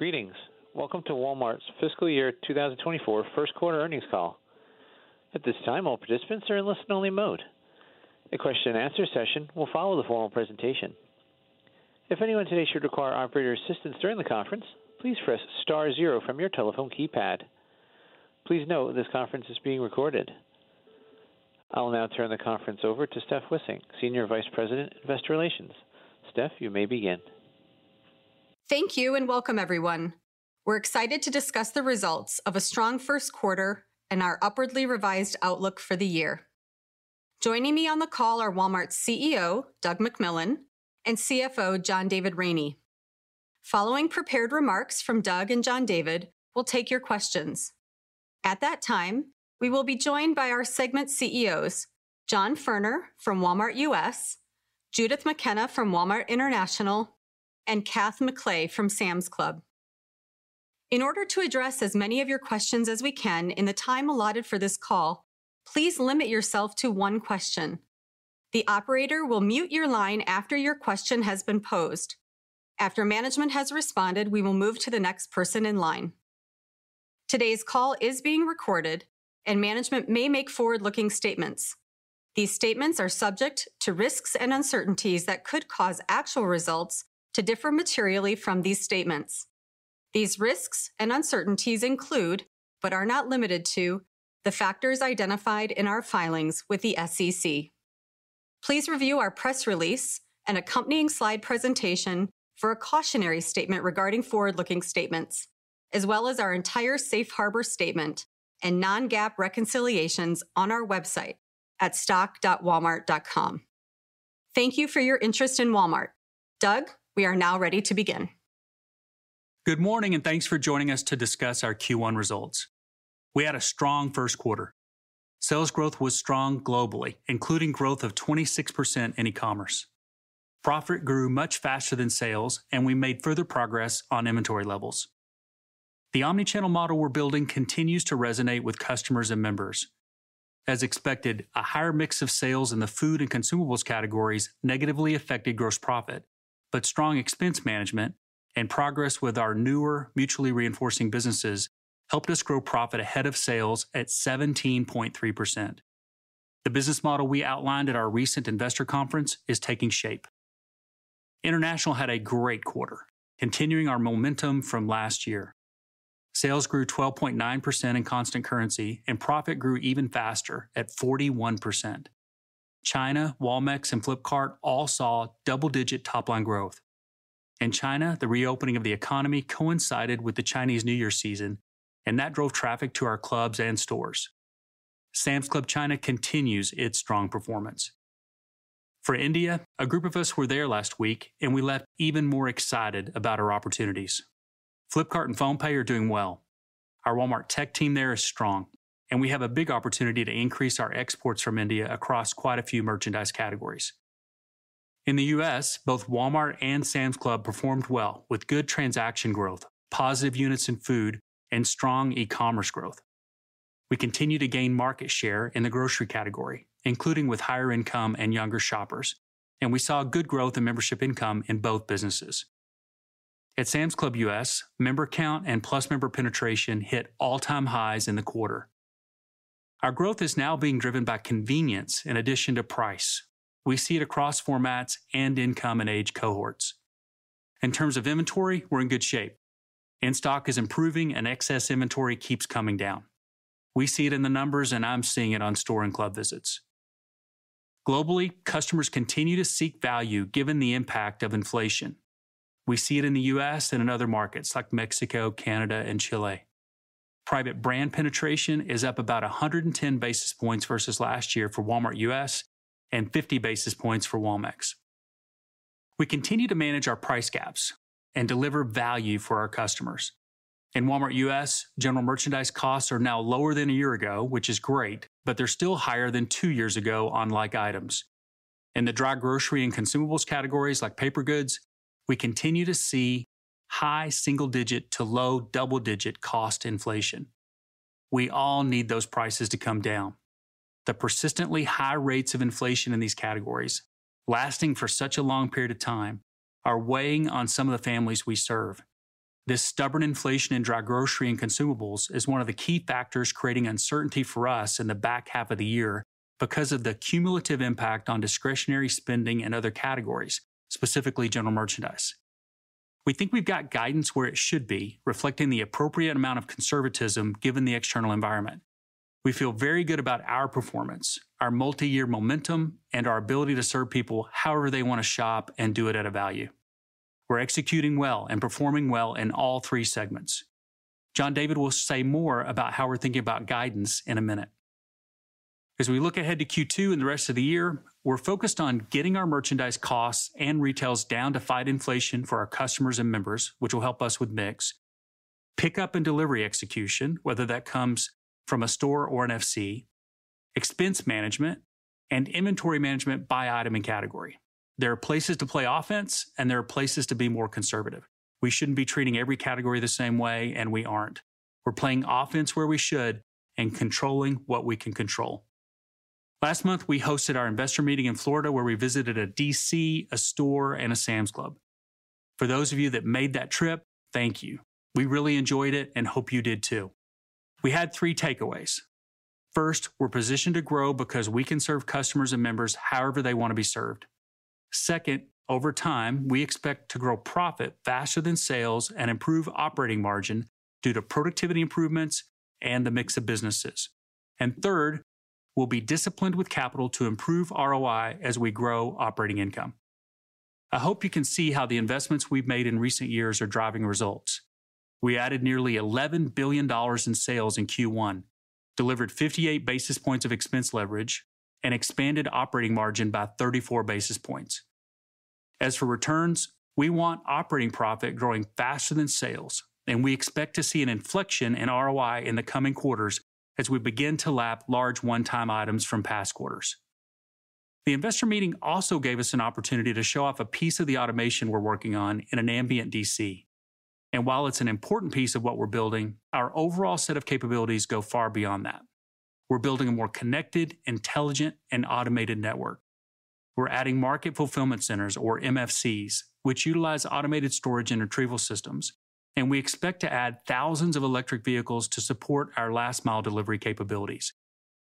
Greetings. Welcome to Walmart's fiscal year 2024 first quarter earnings call. At this time, all participants are in listen-only mode. A question-and-answer session will follow the formal presentation. If anyone today should require operator assistance during the conference, please press star zero from your telephone keypad. Please note this conference is being recorded. I'll now turn the conference over to Steph Wissink, Senior Vice President, Investor Relations. Steph, you may begin. Thank you, and welcome, everyone. We're excited to discuss the results of a strong first quarter and our upwardly revised outlook for the year. Joining me on the call are Walmart's CEO, Doug McMillon, and CFO, John David Rainey. Following prepared remarks from Doug and John David, we'll take your questions. At that time, we will be joined by our segment CEOs, John Furner from Walmart U.S., Judith McKenna from Walmart International, and Kath McLay from Sam's Club. In order to address as many of your questions as we can in the time allotted for this call, please limit yourself to one question. The operator will mute your line after your question has been posed. After management has responded, we will move to the next person in line. Today's call is being recorded and management may make forward-looking statements. These statements are subject to risks and uncertainties that could cause actual results to differ materially from these statements. These risks and uncertainties include, but are not limited to, the factors identified in our filings with the SEC. Please review our press release and accompanying slide presentation for a cautionary statement regarding forward-looking statements, as well as our entire safe harbor statement and non-GAAP reconciliations on our website at stock.walmart.com. Thank you for your interest in Walmart. Doug, we are now ready to begin. Good morning, and thanks for joining us to discuss our Q1 results. We had a strong first quarter. Sales growth was strong globally, including growth of 26% in e-commerce. Profit grew much faster than sales, and we made further progress on inventory levels. The omnichannel model we're building continues to resonate with customers and members. As expected, a higher mix of sales in the food and consumables categories negatively affected gross profit, but strong expense management and progress with our newer mutually reinforcing businesses helped us grow profit ahead of sales at 17.3%. The business model we outlined at our recent investor conference is taking shape. International had a great quarter, continuing our momentum from last year. Sales grew 12.9% in constant currency, and profit grew even faster at 41%. China, Walmex, and Flipkart all saw double-digit top-line growth. In China, the reopening of the economy coincided with the Chinese New Year season, that drove traffic to our clubs and stores. Sam's Club China continues its strong performance. For India, a group of us were there last week, we left even more excited about our opportunities. Flipkart and PhonePe are doing well. Our Walmart tech team there is strong, we have a big opportunity to increase our exports from India across quite a few merchandise categories. In the U.S., both Walmart and Sam's Club performed well with good transaction growth, positive units in food, and strong e-commerce growth. We continue to gain market share in the grocery category, including with higher income and younger shoppers, and we saw good growth in membership income in both businesses. At Sam's Club U.S., member count and plus member penetration hit all-time highs in the quarter. Our growth is now being driven by convenience in addition to price. We see it across formats and income and age cohorts. In terms of inventory, we're in good shape. In-stock is improving and excess inventory keeps coming down. We see it in the numbers, and I'm seeing it on store and club visits. Globally, customers continue to seek value given the impact of inflation. We see it in the U.S. and in other markets like Mexico, Canada, and Chile. Private brand penetration is up about 110 basis points versus last year for Walmart U.S. and 50 basis points for Walmex. We continue to manage our price gaps and deliver value for our customers. In Walmart U.S., general merchandise costs are now lower than a year ago, which is great, but they're still higher than two years ago on like items. In the dry grocery and consumables categories, like paper goods, we continue to see high single digit to low double-digit cost inflation. We all need those prices to come down. The persistently high rates of inflation in these categories lasting for such a long period of time are weighing on some of the families we serve. This stubborn inflation in dry grocery and consumables is one of the key factors creating uncertainty for us in the back half of the year because of the cumulative impact on discretionary spending in other categories, specifically general merchandise. We think we've got guidance where it should be, reflecting the appropriate amount of conservatism given the external environment. We feel very good about our performance, our multi-year momentum, and our ability to serve people however they want to shop and do it at a value. We're executing well and performing well in all three segments. John David will say more about how we're thinking about guidance in a minute. As we look ahead to Q2 and the rest of the year, we're focused on getting our merchandise costs and retails down to fight inflation for our customers and members, which will help us with mix, pickup and delivery execution, whether that comes from a store or an FC, expense management, and inventory management by item and category. There are places to play offense and there are places to be more conservative. We shouldn't be treating every category the same way, and we aren't. We're playing offense where we should and controlling what we can control. Last month, we hosted our investor meeting in Florida, where we visited a D.C., a store, and a Sam's Club. For those of you that made that trip, thank you. We really enjoyed it and hope you did too. We had three takeaways. First, we're positioned to grow because we can serve customers and members however they wanna be served. Second, over time, we expect to grow profit faster than sales and improve operating margin due to productivity improvements and the mix of businesses. Third, we'll be disciplined with capital to improve ROI as we grow operating income. I hope you can see how the investments we've made in recent years are driving results. We added nearly $11 billion in sales in Q1, delivered 58 basis points of expense leverage, and expanded operating margin by 34 basis points. As for returns, we want operating profit growing faster than sales, and we expect to see an inflection in ROI in the coming quarters as we begin to lap large one-time items from past quarters. The investor meeting also gave us an opportunity to show off a piece of the automation we're working on in an ambient DC. While it's an important piece of what we're building, our overall set of capabilities go far beyond that. We're building a more connected, intelligent, and automated network. We're adding market fulfillment centers, or MFCs, which utilize automated storage and retrieval systems, and we expect to add thousands of electric vehicles to support our last-mile delivery capabilities.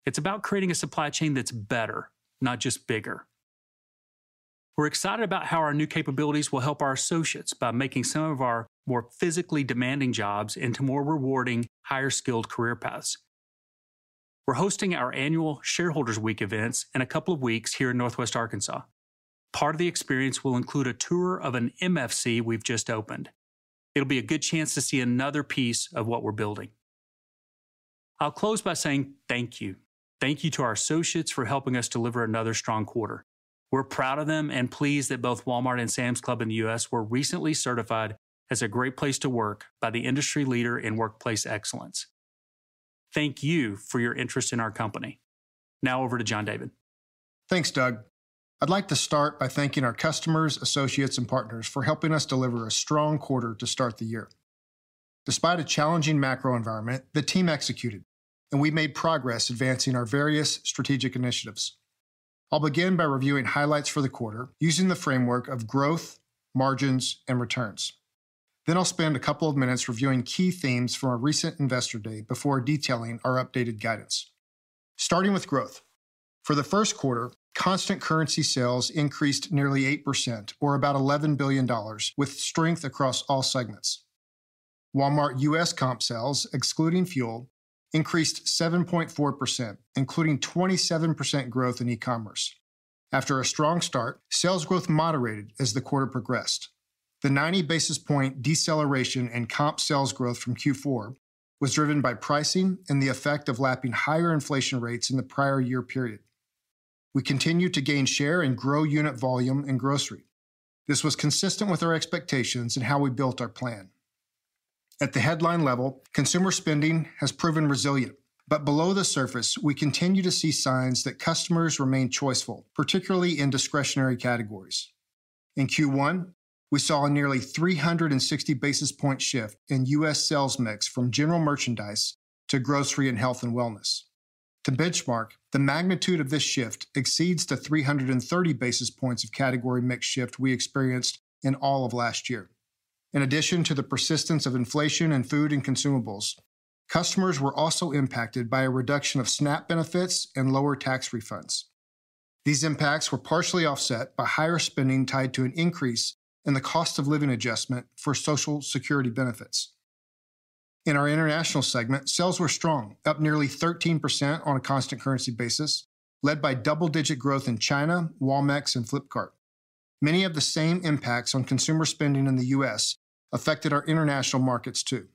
It's about creating a supply chain that's better, not just bigger. We're excited about how our new capabilities will help our associates by making some of our more physically demanding jobs into more rewarding, higher-skilled career paths. We're hosting our annual Shareholders' Week events in a couple of weeks here in Northwest Arkansas. Part of the experience will include a tour of an MFC we've just opened. It'll be a good chance to see another piece of what we're building. I'll close by saying thank you. Thank you to our associates for helping us deliver another strong quarter. We're proud of them and pleased that both Walmart and Sam's Club in the U.S. were recently certified as a great place to work by the industry leader in workplace excellence. Thank you for your interest in our company. Now over to John David. Thanks, Doug. I'd like to start by thanking our customers, associates, and partners for helping us deliver a strong quarter to start the year. Despite a challenging macro environment, the team executed, and we made progress advancing our various strategic initiatives. I'll begin by reviewing highlights for the quarter using the framework of growth, margins, and returns. I'll spend a couple of minutes reviewing key themes from our recent Investor Day before detailing our updated guidance. Starting with growth. For the first quarter, constant currency sales increased nearly 8%, or about $11 billion, with strength across all segments. Walmart U.S. comp sales, excluding fuel, increased 7.4%, including 27% growth in e-commerce. After a strong start, sales growth moderated as the quarter progressed. The 90 basis point deceleration in comp sales growth from Q4 was driven by pricing and the effect of lapping higher inflation rates in the prior year period. We continued to gain share and grow unit volume in grocery. This was consistent with our expectations and how we built our plan. At the headline level, consumer spending has proven resilient, but below the surface, we continue to see signs that customers remain choiceful, particularly in discretionary categories. In Q1, we saw a nearly 360 basis point shift in U.S. sales mix from general merchandise to grocery and health and wellness. To benchmark, the magnitude of this shift exceeds the 330 basis points of category mix shift we experienced in all of last year. In addition to the persistence of inflation in food and consumables, customers were also impacted by a reduction of SNAP benefits and lower tax refunds. These impacts were partially offset by higher spending tied to an increase in the cost of living adjustment for Social Security benefits. In our International segment, sales were strong, up nearly 13% on a constant currency basis, led by double-digit growth in China, Walmex, and Flipkart. Many of the same impacts on consumer spending in the U.S. affected our international markets too.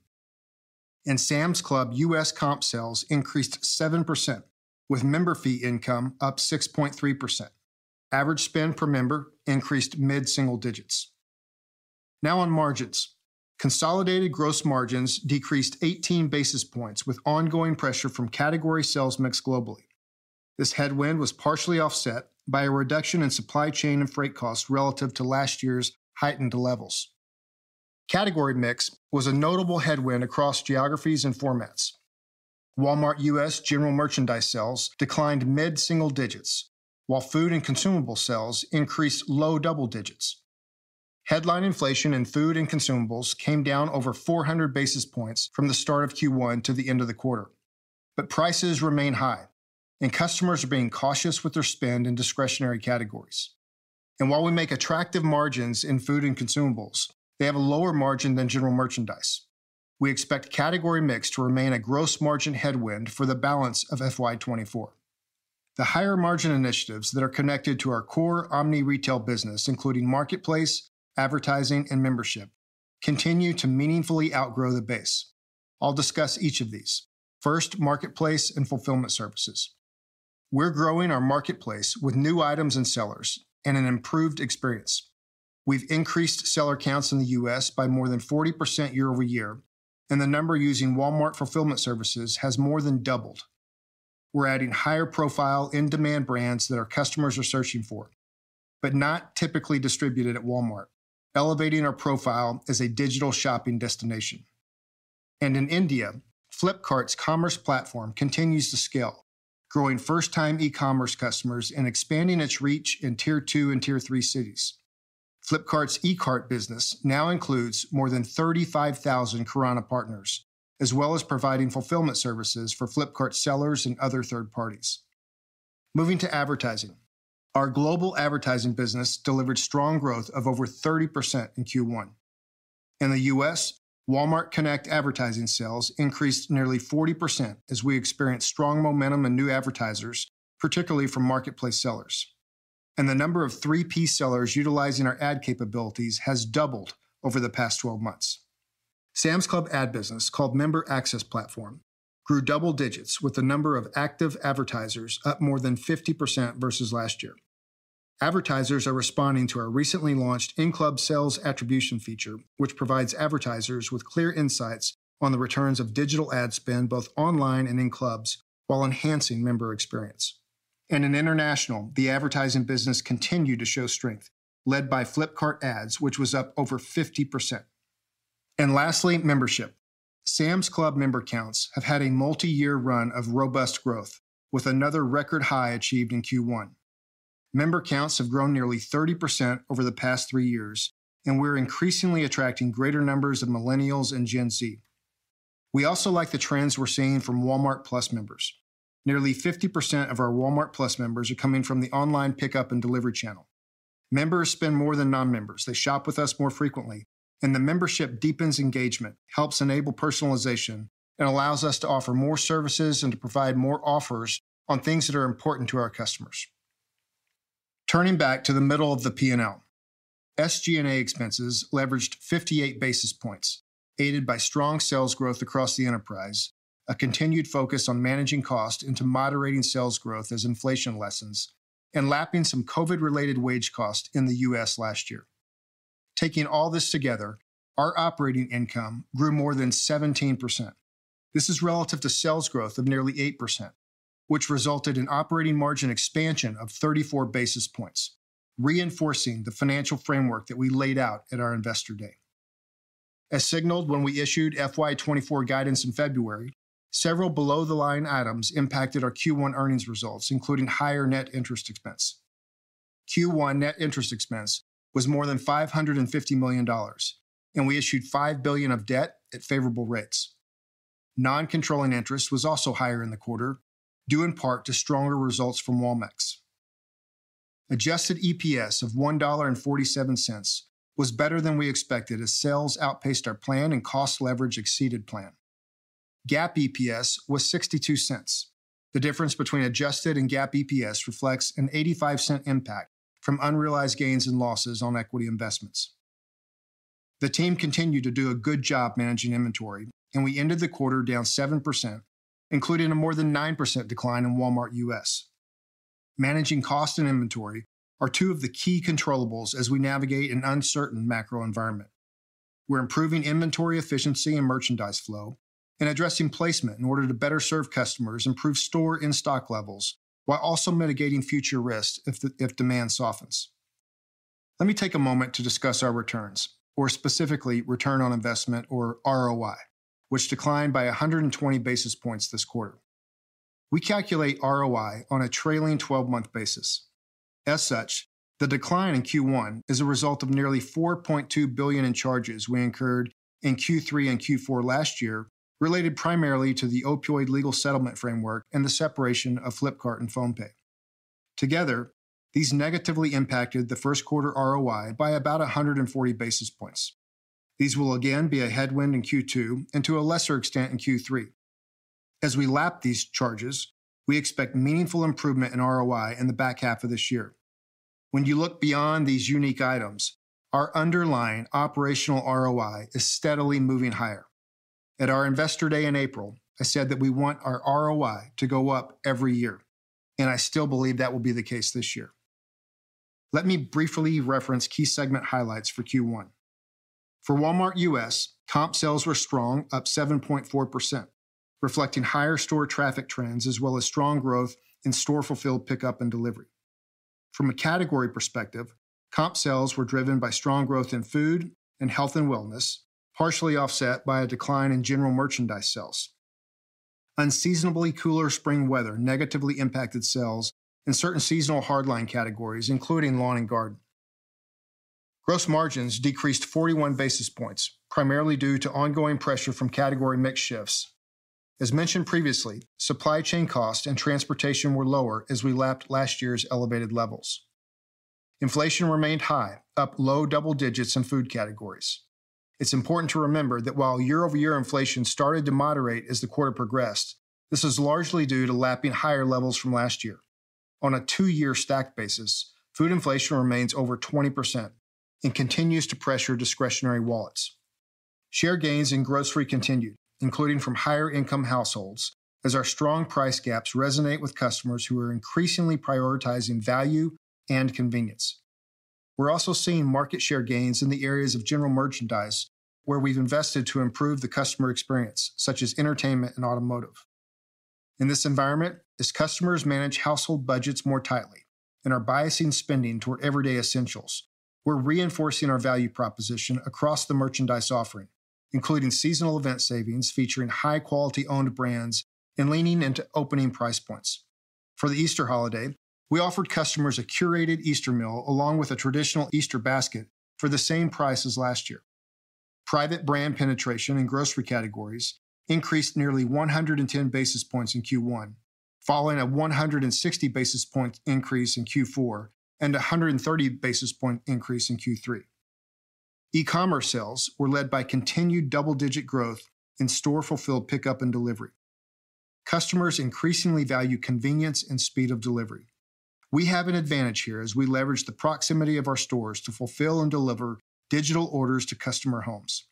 In Sam's Club, U.S. comp sales increased 7%, with member fee income up 6.3%. Average spend per member increased mid-single digits. Now on margins. Consolidated gross margins decreased 18 basis points with ongoing pressure from category sales mix globally. This headwind was partially offset by a reduction in supply chain and freight costs relative to last year's heightened levels. Category mix was a notable headwind across geographies and formats. Walmart U.S. general merchandise sales declined mid-single digits, while food and consumable sales increased low double digits. Headline inflation in food and consumables came down over 400 basis points from the start of Q1 to the end of the quarter. Prices remain high, and customers are being cautious with their spend in discretionary categories. While we make attractive margins in food and consumables, they have a lower margin than general merchandise. We expect category mix to remain a gross margin headwind for the balance of FY 2024. The higher-margin initiatives that are connected to our core omni-retail business, including marketplace, advertising, and membership, continue to meaningfully outgrow the base. I'll discuss each of these. First, marketplace and fulfillment services. We're growing our marketplace with new items and sellers and an improved experience. We've increased seller counts in the U.S. by more than 40% year-over-year, and the number using Walmart Fulfillment Services has more than doubled. We're adding higher-profile, in-demand brands that our customers are searching for, but not typically distributed at Walmart, elevating our profile as a digital shopping destination. In India, Flipkart's commerce platform continues to scale, growing first-time e-commerce customers and expanding its reach in Tier 2 and Tier 3 cities. Flipkart's eKart business now includes more than 35,000 Kirana partners, as well as providing fulfillment services for Flipkart sellers and other third parties. Moving to advertising. Our global advertising business delivered strong growth of over 30% in Q1. In the U.S., Walmart Connect advertising sales increased nearly 40% as we experienced strong momentum in new advertisers, particularly from marketplace sellers. The number of 3P sellers utilizing our ad capabilities has doubled over the past 12 months. Sam's Club ad business, called Member Access Platform, grew double digits with the number of active advertisers up more than 50% versus last year. Advertisers are responding to our recently launched in-club sales attribution feature, which provides advertisers with clear insights on the returns of digital ad spend both online and in clubs while enhancing member experience. In International, the advertising business continued to show strength, led by Flipkart Ads, which was up over 50%. Lastly, membership. Sam's Club member counts have had a multi-year run of robust growth, with another record high achieved in Q1. Member counts have grown nearly 30% over the past three years, and we're increasingly attracting greater numbers of millennials and Gen Z. We also like the trends we're seeing from Walmart+ members. Nearly 50% of our Walmart+ members are coming from the online pickup and delivery channel. Members spend more than non-members. They shop with us more frequently, and the membership deepens engagement, helps enable personalization, and allows us to offer more services and to provide more offers on things that are important to our customers. Turning back to the middle of the P&L. SG&A expenses leveraged 58 basis points, aided by strong sales growth across the enterprise, a continued focus on managing cost into moderating sales growth as inflation lessens, and lapping some COVID-related wage costs in the U.S. last year. Taking all this together, our operating income grew more than 17%. This is relative to sales growth of nearly 8%, which resulted in operating margin expansion of 34 basis points, reinforcing the financial framework that we laid out at our Investor Day. As signaled when we issued FY 2024 guidance in February, several below-the-line items impacted our Q1 earnings results, including higher net interest expense. Q1 net interest expense was more than $550 million, and we issued $5 billion of debt at favorable rates. Non-controlling interest was also higher in the quarter, due in part to stronger results from Walmex. Adjusted EPS of $1.47 was better than we expected as sales outpaced our plan and cost leverage exceeded plan. GAAP EPS was $0.62. The difference between adjusted and GAAP EPS reflects an $0.85 impact from unrealized gains and losses on equity investments. The team continued to do a good job managing inventory. We ended the quarter down 7%, including a more than 9% decline in Walmart U.S. Managing cost and inventory are two of the key controllables as we navigate an uncertain macro environment. We're improving inventory efficiency and merchandise flow and addressing placement in order to better serve customers, improve store in-stock levels, while also mitigating future risks if demand softens. Let me take a moment to discuss our returns, or specifically return on investment or ROI, which declined by 120 basis points this quarter. We calculate ROI on a trailing 12-month basis. As such, the decline in Q1 is a result of nearly $4.2 billion in charges we incurred in Q3 and Q4 last year related primarily to the opioid legal settlement framework and the separation of Flipkart and PhonePe. Together, these negatively impacted the first quarter ROI by about 140 basis points. These will again be a headwind in Q2 and to a lesser extent in Q3. As we lap these charges, we expect meaningful improvement in ROI in the back half of this year. When you look beyond these unique items, our underlying operational ROI is steadily moving higher. At our Investor Day in April, I said that we want our ROI to go up every year, and I still believe that will be the case this year. Let me briefly reference key segment highlights for Q1. For Walmart U.S., comp sales were strong, up 7.4%, reflecting higher store traffic trends as well as strong growth in store-fulfilled pickup and delivery. From a category perspective, comp sales were driven by strong growth in food and health and wellness, partially offset by a decline in general merchandise sales. Unseasonably cooler spring weather negatively impacted sales in certain seasonal hardline categories, including lawn and garden. Gross margins decreased 41 basis points, primarily due to ongoing pressure from category mix shifts. As mentioned previously, supply chain costs and transportation were lower as we lapped last year's elevated levels. Inflation remained high, up low double digits in food categories. It's important to remember that while year-over-year inflation started to moderate as the quarter progressed, this is largely due to lapping higher levels from last year. On a two-year stacked basis, food inflation remains over 20% and continues to pressure discretionary wallets. Share gains in grocery continued, including from higher-income households, as our strong price gaps resonate with customers who are increasingly prioritizing value and convenience. We're also seeing market share gains in the areas of general merchandise where we've invested to improve the customer experience, such as entertainment and automotive. In this environment, as customers manage household budgets more tightly and are biasing spending toward everyday essentials, we're reinforcing our value proposition across the merchandise offering, including seasonal event savings featuring high-quality owned brands and leaning into opening price points. For the Easter holiday, we offered customers a curated Easter meal along with a traditional Easter basket for the same price as last year. Private brand penetration in grocery categories increased nearly 110 basis points in Q1, following a 160 basis points increase in Q4 and 130 basis point increase in Q3. E-commerce sales were led by continued double-digit growth in store-fulfilled pickup and delivery. Customers increasingly value convenience and speed of delivery. We have an advantage here as we leverage the proximity of our stores to fulfill and deliver digital orders to customer homes.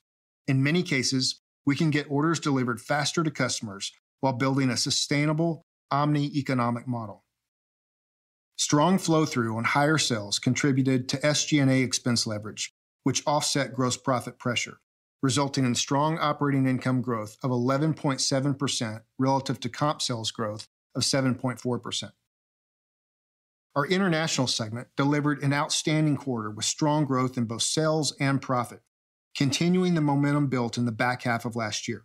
In many cases, we can get orders delivered faster to customers while building a sustainable omnieconomic model. Strong flow-through on higher sales contributed to SG&A expense leverage, which offset gross profit pressure, resulting in strong operating income growth of 11.7% relative to comp sales growth of 7.4%. Our International segment delivered an outstanding quarter with strong growth in both sales and profit, continuing the momentum built in the back half of last year.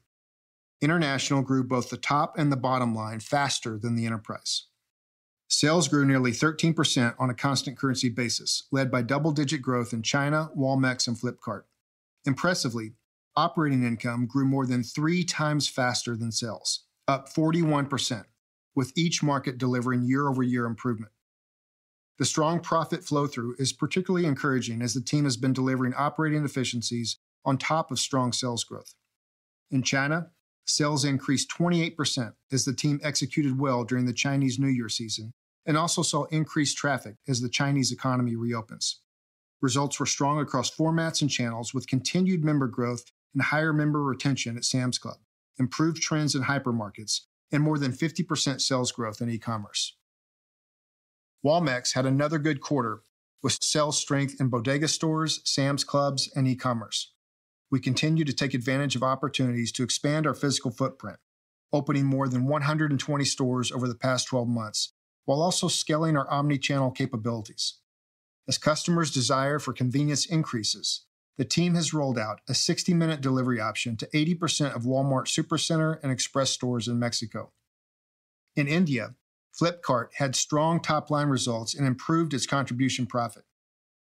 International grew both the top and the bottom line faster than the enterprise. Sales grew nearly 13% on a constant currency basis, led by double-digit growth in China, Walmex, and Flipkart. Impressively, operating income grew more than 3x faster than sales, up 41%, with each market delivering year-over-year improvement. The strong profit flow-through is particularly encouraging as the team has been delivering operating efficiencies on top of strong sales growth. In China, sales increased 28% as the team executed well during the Chinese New Year season and also saw increased traffic as the Chinese economy reopens. Results were strong across formats and channels, with continued member growth and higher member retention at Sam's Club, improved trends in hypermarkets, and more than 50% sales growth in e-commerce. Walmex had another good quarter with sales strength in Bodega stores, Sam's Clubs, and e-commerce. We continue to take advantage of opportunities to expand our physical footprint, opening more than 120 stores over the past 12 months, while also scaling our omnichannel capabilities. As customers' desire for convenience increases, the team has rolled out a 60-minute delivery option to 80% of Walmart Supercenter and Express stores in Mexico. In India, Flipkart had strong top-line results and improved its contribution profit.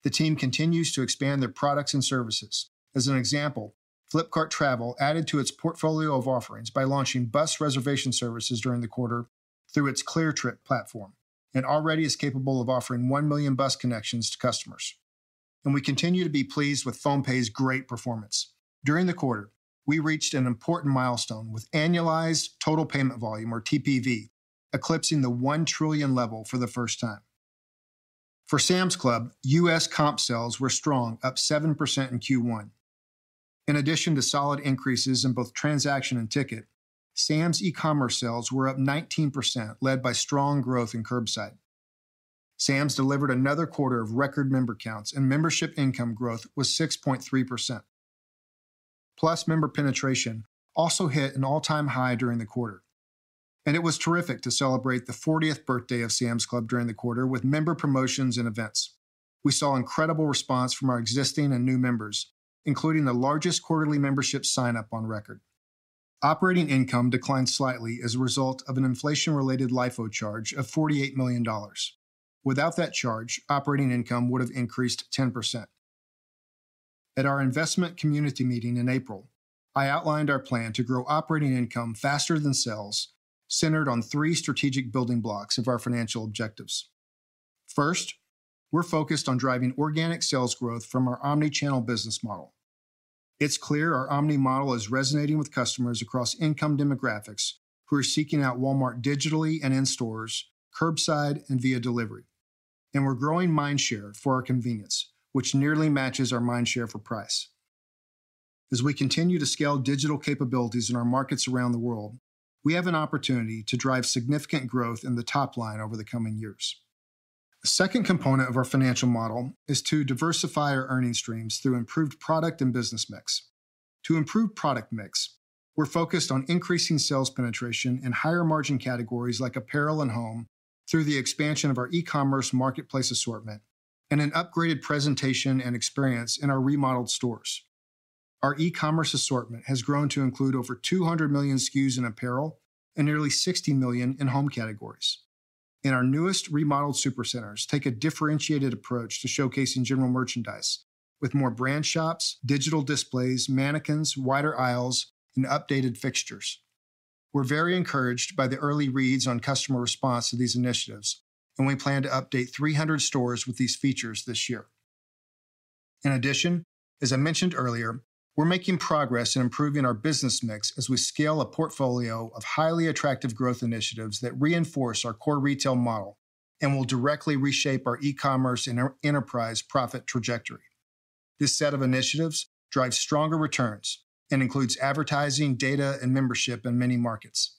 The team continues to expand their products and services. As an example, Flipkart Travel added to its portfolio of offerings by launching bus reservation services during the quarter through its Cleartrip platform, and already is capable of offering 1 million bus connections to customers. We continue to be pleased with PhonePe's great performance. During the quarter, we reached an important milestone with annualized total payment volume, or TPV, eclipsing the 1 trillion level for the first time. For Sam's Club, U.S. comp sales were strong, up 7% in Q1. In addition to solid increases in both transaction and ticket, Sam's e-commerce sales were up 19%, led by strong growth in curbside. Sam's delivered another quarter of record member counts, and membership income growth was 6.3%. Plus, member penetration also hit an all-time high during the quarter. It was terrific to celebrate the 40th birthday of Sam's Club during the quarter with member promotions and events. We saw incredible response from our existing and new members, including the largest quarterly membership sign-up on record. Operating income declined slightly as a result of an inflation-related LIFO charge of $48 million. Without that charge, operating income would have increased 10%. At our investment community meeting in April, I outlined our plan to grow operating income faster than sales, centered on three strategic building blocks of our financial objectives. First, we're focused on driving organic sales growth from our omnichannel business model. It's clear our omni model is resonating with customers across income demographics who are seeking out Walmart digitally and in stores, curbside, and via delivery. We're growing mindshare for our convenience, which nearly matches our mindshare for price. As we continue to scale digital capabilities in our markets around the world, we have an opportunity to drive significant growth in the top line over the coming years. The second component of our financial model is to diversify our earnings streams through improved product and business mix. To improve product mix, we're focused on increasing sales penetration in higher-margin categories like apparel and home through the expansion of our e-commerce marketplace assortment and an upgraded presentation and experience in our remodeled stores. Our e-commerce assortment has grown to include over 200 million SKUs in apparel and nearly 60 million in home categories. Our newest remodeled supercenters take a differentiated approach to showcasing general merchandise, with more brand shops, digital displays, mannequins, wider aisles, and updated fixtures. We're very encouraged by the early reads on customer response to these initiatives, and we plan to update 300 stores with these features this year. In addition, as I mentioned earlier, we're making progress in improving our business mix as we scale a portfolio of highly attractive growth initiatives that reinforce our core retail model and will directly reshape our e-commerce and our enterprise profit trajectory. This set of initiatives drives stronger returns and includes advertising, data, and membership in many markets.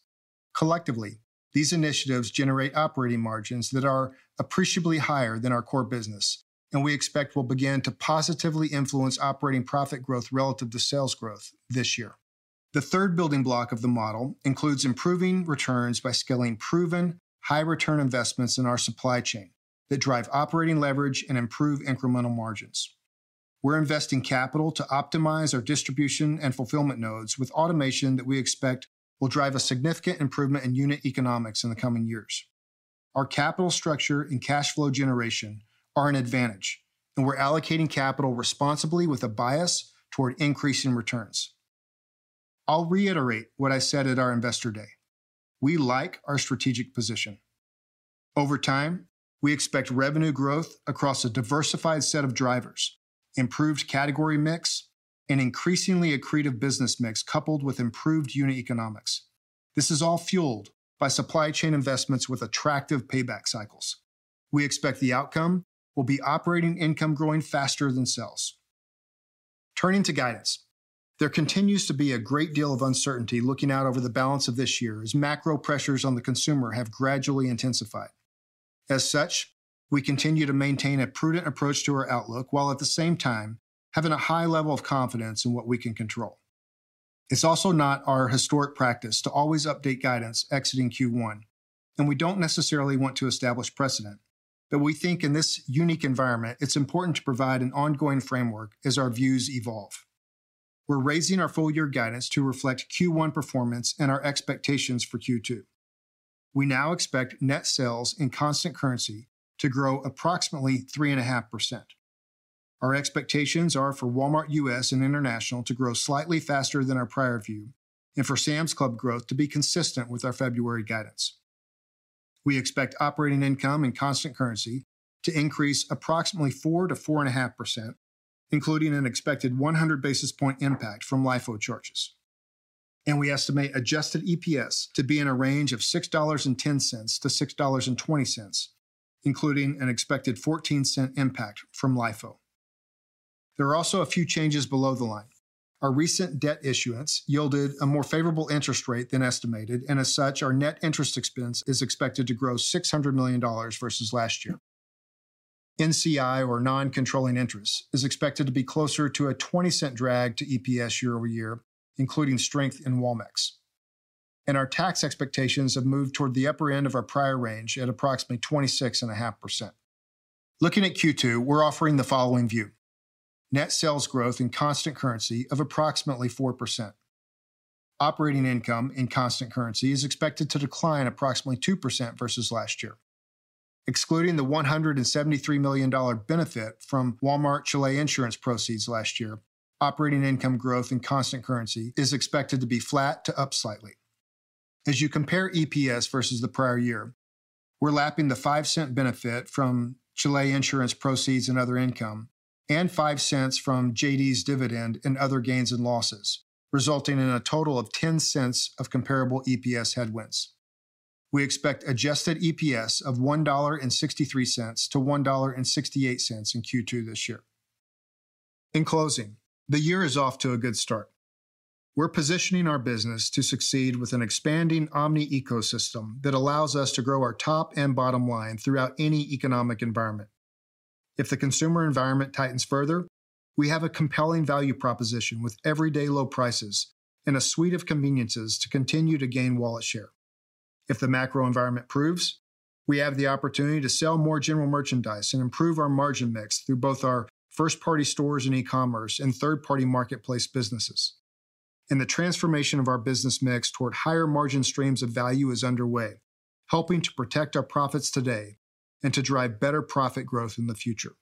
Collectively, these initiatives generate operating margins that are appreciably higher than our core business and we expect will begin to positively influence operating profit growth relative to sales growth this year. The third building block of the model includes improving returns by scaling proven high return investments in our supply chain that drive operating leverage and improve incremental margins. We're investing capital to optimize our distribution and fulfillment nodes with automation that we expect will drive a significant improvement in unit economics in the coming years. Our capital structure and cash flow generation are an advantage, and we're allocating capital responsibly with a bias toward increasing returns. I'll reiterate what I said at our Investor Day. We like our strategic position. Over time, we expect revenue growth across a diversified set of drivers, improved category mix, an increasingly accretive business mix coupled with improved unit economics. This is all fueled by supply chain investments with attractive payback cycles. We expect the outcome will be operating income growing faster than sales. Turning to guidance. There continues to be a great deal of uncertainty looking out over the balance of this year as macro pressures on the consumer have gradually intensified. As such, we continue to maintain a prudent approach to our outlook, while at the same time having a high level of confidence in what we can control. It's also not our historic practice to always update guidance exiting Q1, and we don't necessarily want to establish precedent. We think in this unique environment, it's important to provide an ongoing framework as our views evolve. We're raising our full year guidance to reflect Q1 performance and our expectations for Q2. We now expect net sales in constant currency to grow approximately 3.5%. Our expectations are for Walmart U.S. and International to grow slightly faster than our prior view, and for Sam's Club growth to be consistent with our February guidance. We expect operating income in constant currency to increase approximately 4%-4.5%, including an expected 100 basis point impact from LIFO charges. We estimate adjusted EPS to be in a range of $6.10-$6.20, including an expected $0.14 impact from LIFO. There are also a few changes below the line. Our recent debt issuance yielded a more favorable interest rate than estimated, and as such, our net interest expense is expected to grow $600 million versus last year. NCI, or non-controlling interests, is expected to be closer to a $0.20 drag to EPS year-over-year, including strength in Walmex. Our tax expectations have moved toward the upper end of our prior range at approximately 26.5%. Looking at Q2, we're offering the following view. Net sales growth in constant currency of approximately 4%. Operating income in constant currency is expected to decline approximately 2% versus last year. Excluding the $173 million benefit from Walmart Chile insurance proceeds last year, operating income growth in constant currency is expected to be flat to up slightly. As you compare EPS versus the prior year, we're lapping the $0.05 benefit from Chile insurance proceeds and other income, and $0.05 from JD's dividend and other gains and losses, resulting in a total of $0.10 of comparable EPS headwinds. We expect adjusted EPS of $1.63 to $1.68 in Q2 this year. In closing, the year is off to a good start. We're positioning our business to succeed with an expanding omni ecosystem that allows us to grow our top and bottom line throughout any economic environment. If the consumer environment tightens further, we have a compelling value proposition with everyday low prices and a suite of conveniences to continue to gain wallet share. If the macro environment proves, we have the opportunity to sell more general merchandise and improve our margin mix through both our first-party stores and e-commerce and third-party marketplace businesses. The transformation of our business mix toward higher margin streams of value is underway, helping to protect our profits today and to drive better profit growth in the future.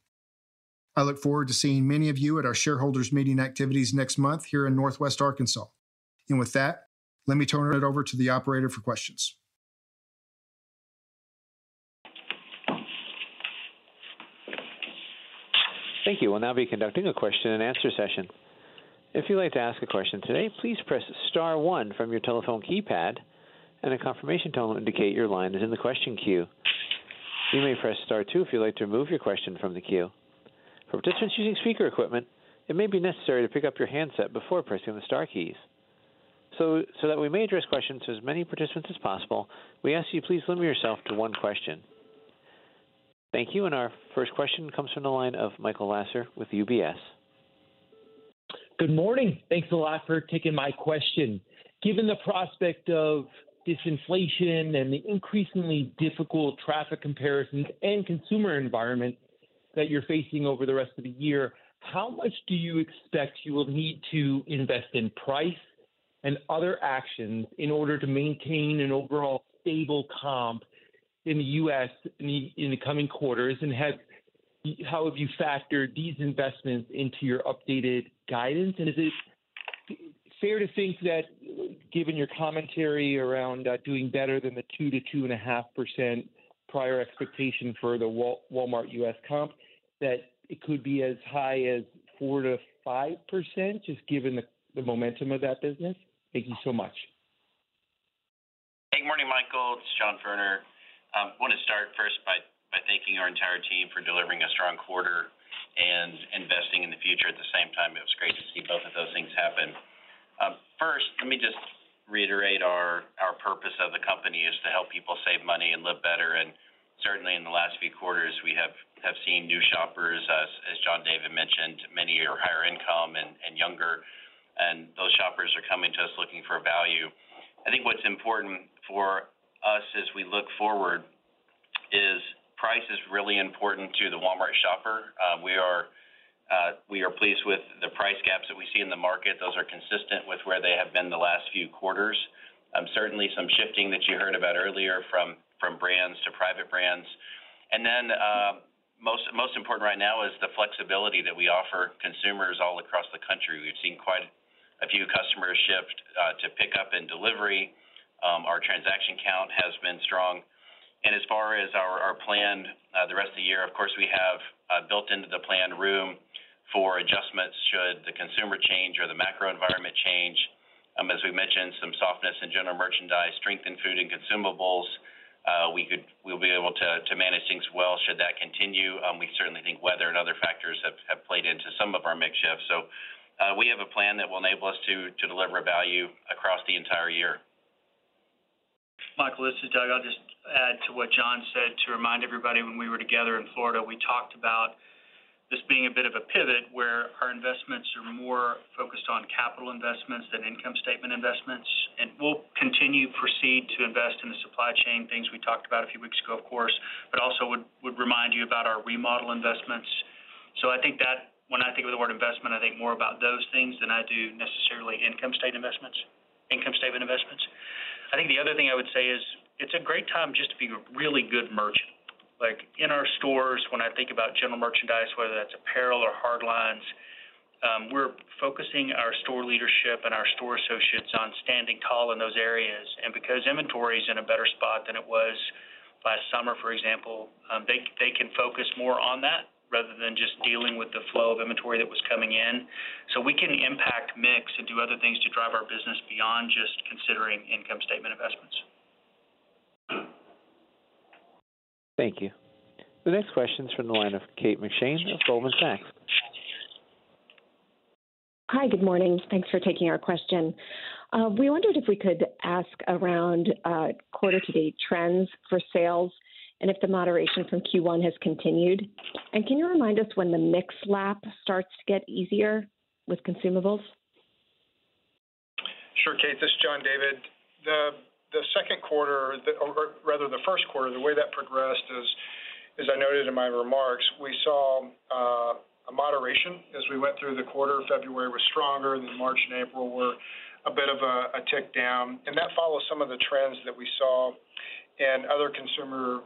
I look forward to seeing many of you at our shareholders meeting activities next month here in Northwest Arkansas. With that, let me turn it over to the operator for questions. Thank you. We'll now be conducting a question-and-answer session. If you'd like to ask a question today, please press star one from your telephone keypad and a confirmation tone will indicate your line is in the question queue. You may press star two if you'd like to remove your question from the queue. For participants using speaker equipment, it may be necessary to pick up your handset before pressing the star keys. So that we may address questions to as many participants as possible, we ask you please limit yourself to one question. Thank you. Our first question comes from the line of Michael Lasser with UBS. Good morning. Thanks a lot for taking my question. Given the prospect of disinflation and the increasingly difficult traffic comparisons and consumer environment that you're facing over the rest of the year, how much do you expect you will need to invest in price and other actions in order to maintain an overall stable comp in the U.S. in the coming quarters? How have you factored these investments into your updated guidance? Is it fair to think that given your commentary around doing better than the 2% to 2.5% prior expectation for the Walmart U.S. comp, that it could be as high as 4% to 5%, just given the momentum of that business? Thank you so much. Hey, good morning, Michael. It's John Furner. Wanna start first by thanking our entire team for delivering a strong quarter and investing in the future at the same time. It was great to see both of those things happen. First, let me just reiterate our. Company is to help people save money and live better. Certainly in the last few quarters, we have seen new shoppers, as John David mentioned, many are higher income and younger, and those shoppers are coming to us looking for value. I think what's important for us as we look forward is price is really important to the Walmart shopper. We are pleased with the price gaps that we see in the market. Those are consistent with where they have been the last few quarters. Certainly some shifting that you heard about earlier from brands to private brands. Most important right now is the flexibility that we offer consumers all across the country. We've seen quite a few customers shift to pickup and delivery. Our transaction count has been strong. As far as our planned, the rest of the year, of course, we have built into the planned room for adjustments should the consumer change or the macro environment change. As we mentioned, some softness in general merchandise, strength in food and consumables. We'll be able to manage things well should that continue. We certainly think weather and other factors have played into some of our mix shifts. We have a plan that will enable us to deliver value across the entire year. Michael, this is Doug. I'll just add to what John said. To remind everybody, when we were together in Florida, we talked about this being a bit of a pivot where our investments are more focused on capital investments than income statement investments. We'll continue to proceed to invest in the supply chain, things we talked about a few weeks ago, of course, but also would remind you about our remodel investments. I think that when I think of the word investment, I think more about those things than I do necessarily income statement investments. I think the other thing I would say is, it's a great time just to be a really good merchant. Like, in our stores, when I think about general merchandise, whether that's apparel or hard lines, we're focusing our store leadership and our store associates on standing tall in those areas. Because inventory is in a better spot than it was last summer, for example, they can focus more on that rather than just dealing with the flow of inventory that was coming in. We can impact mix and do other things to drive our business beyond just considering income statement investments. Thank you. The next question is from the line of Kate McShane of Goldman Sachs. Hi. Good morning. Thanks for taking our question. We wondered if we could ask around, quarter-to-date trends for sales and if the moderation from Q1 has continued. Can you remind us when the mix lap starts to get easier with consumables? Sure, Kate. This is John David. The second quarter, or rather the first quarter, the way that progressed is, as I noted in my remarks, we saw a moderation as we went through the quarter. February was stronger, then March and April were a bit of a tick down. That follows some of the trends that we saw in other consumer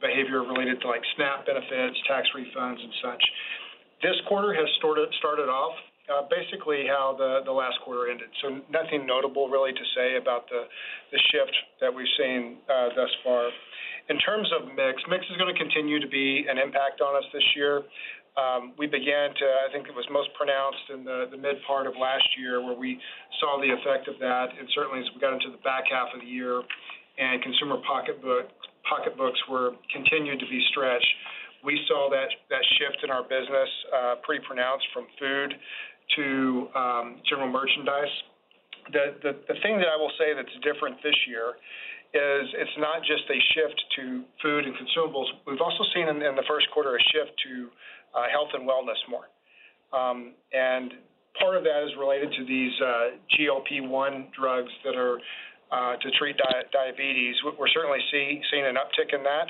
behavior related to, like, SNAP benefits, tax refunds, and such. This quarter has started off basically how the last quarter ended. Nothing notable really to say about the shift that we've seen thus far. In terms of mix is gonna continue to be an impact on us this year. I think it was most pronounced in the mid part of last year where we saw the effect of that. Certainly, as we got into the back half of the year and consumer pocketbooks were continued to be stretched. We saw that shift in our business pretty pronounced from food to general merchandise. The thing that I will say that's different this year is it's not just a shift to food and consumables. We've also seen in the first quarter a shift to health and wellness more. Part of that is related to these GLP-1 drugs that are to treat diabetes. We're certainly seeing an uptick in that.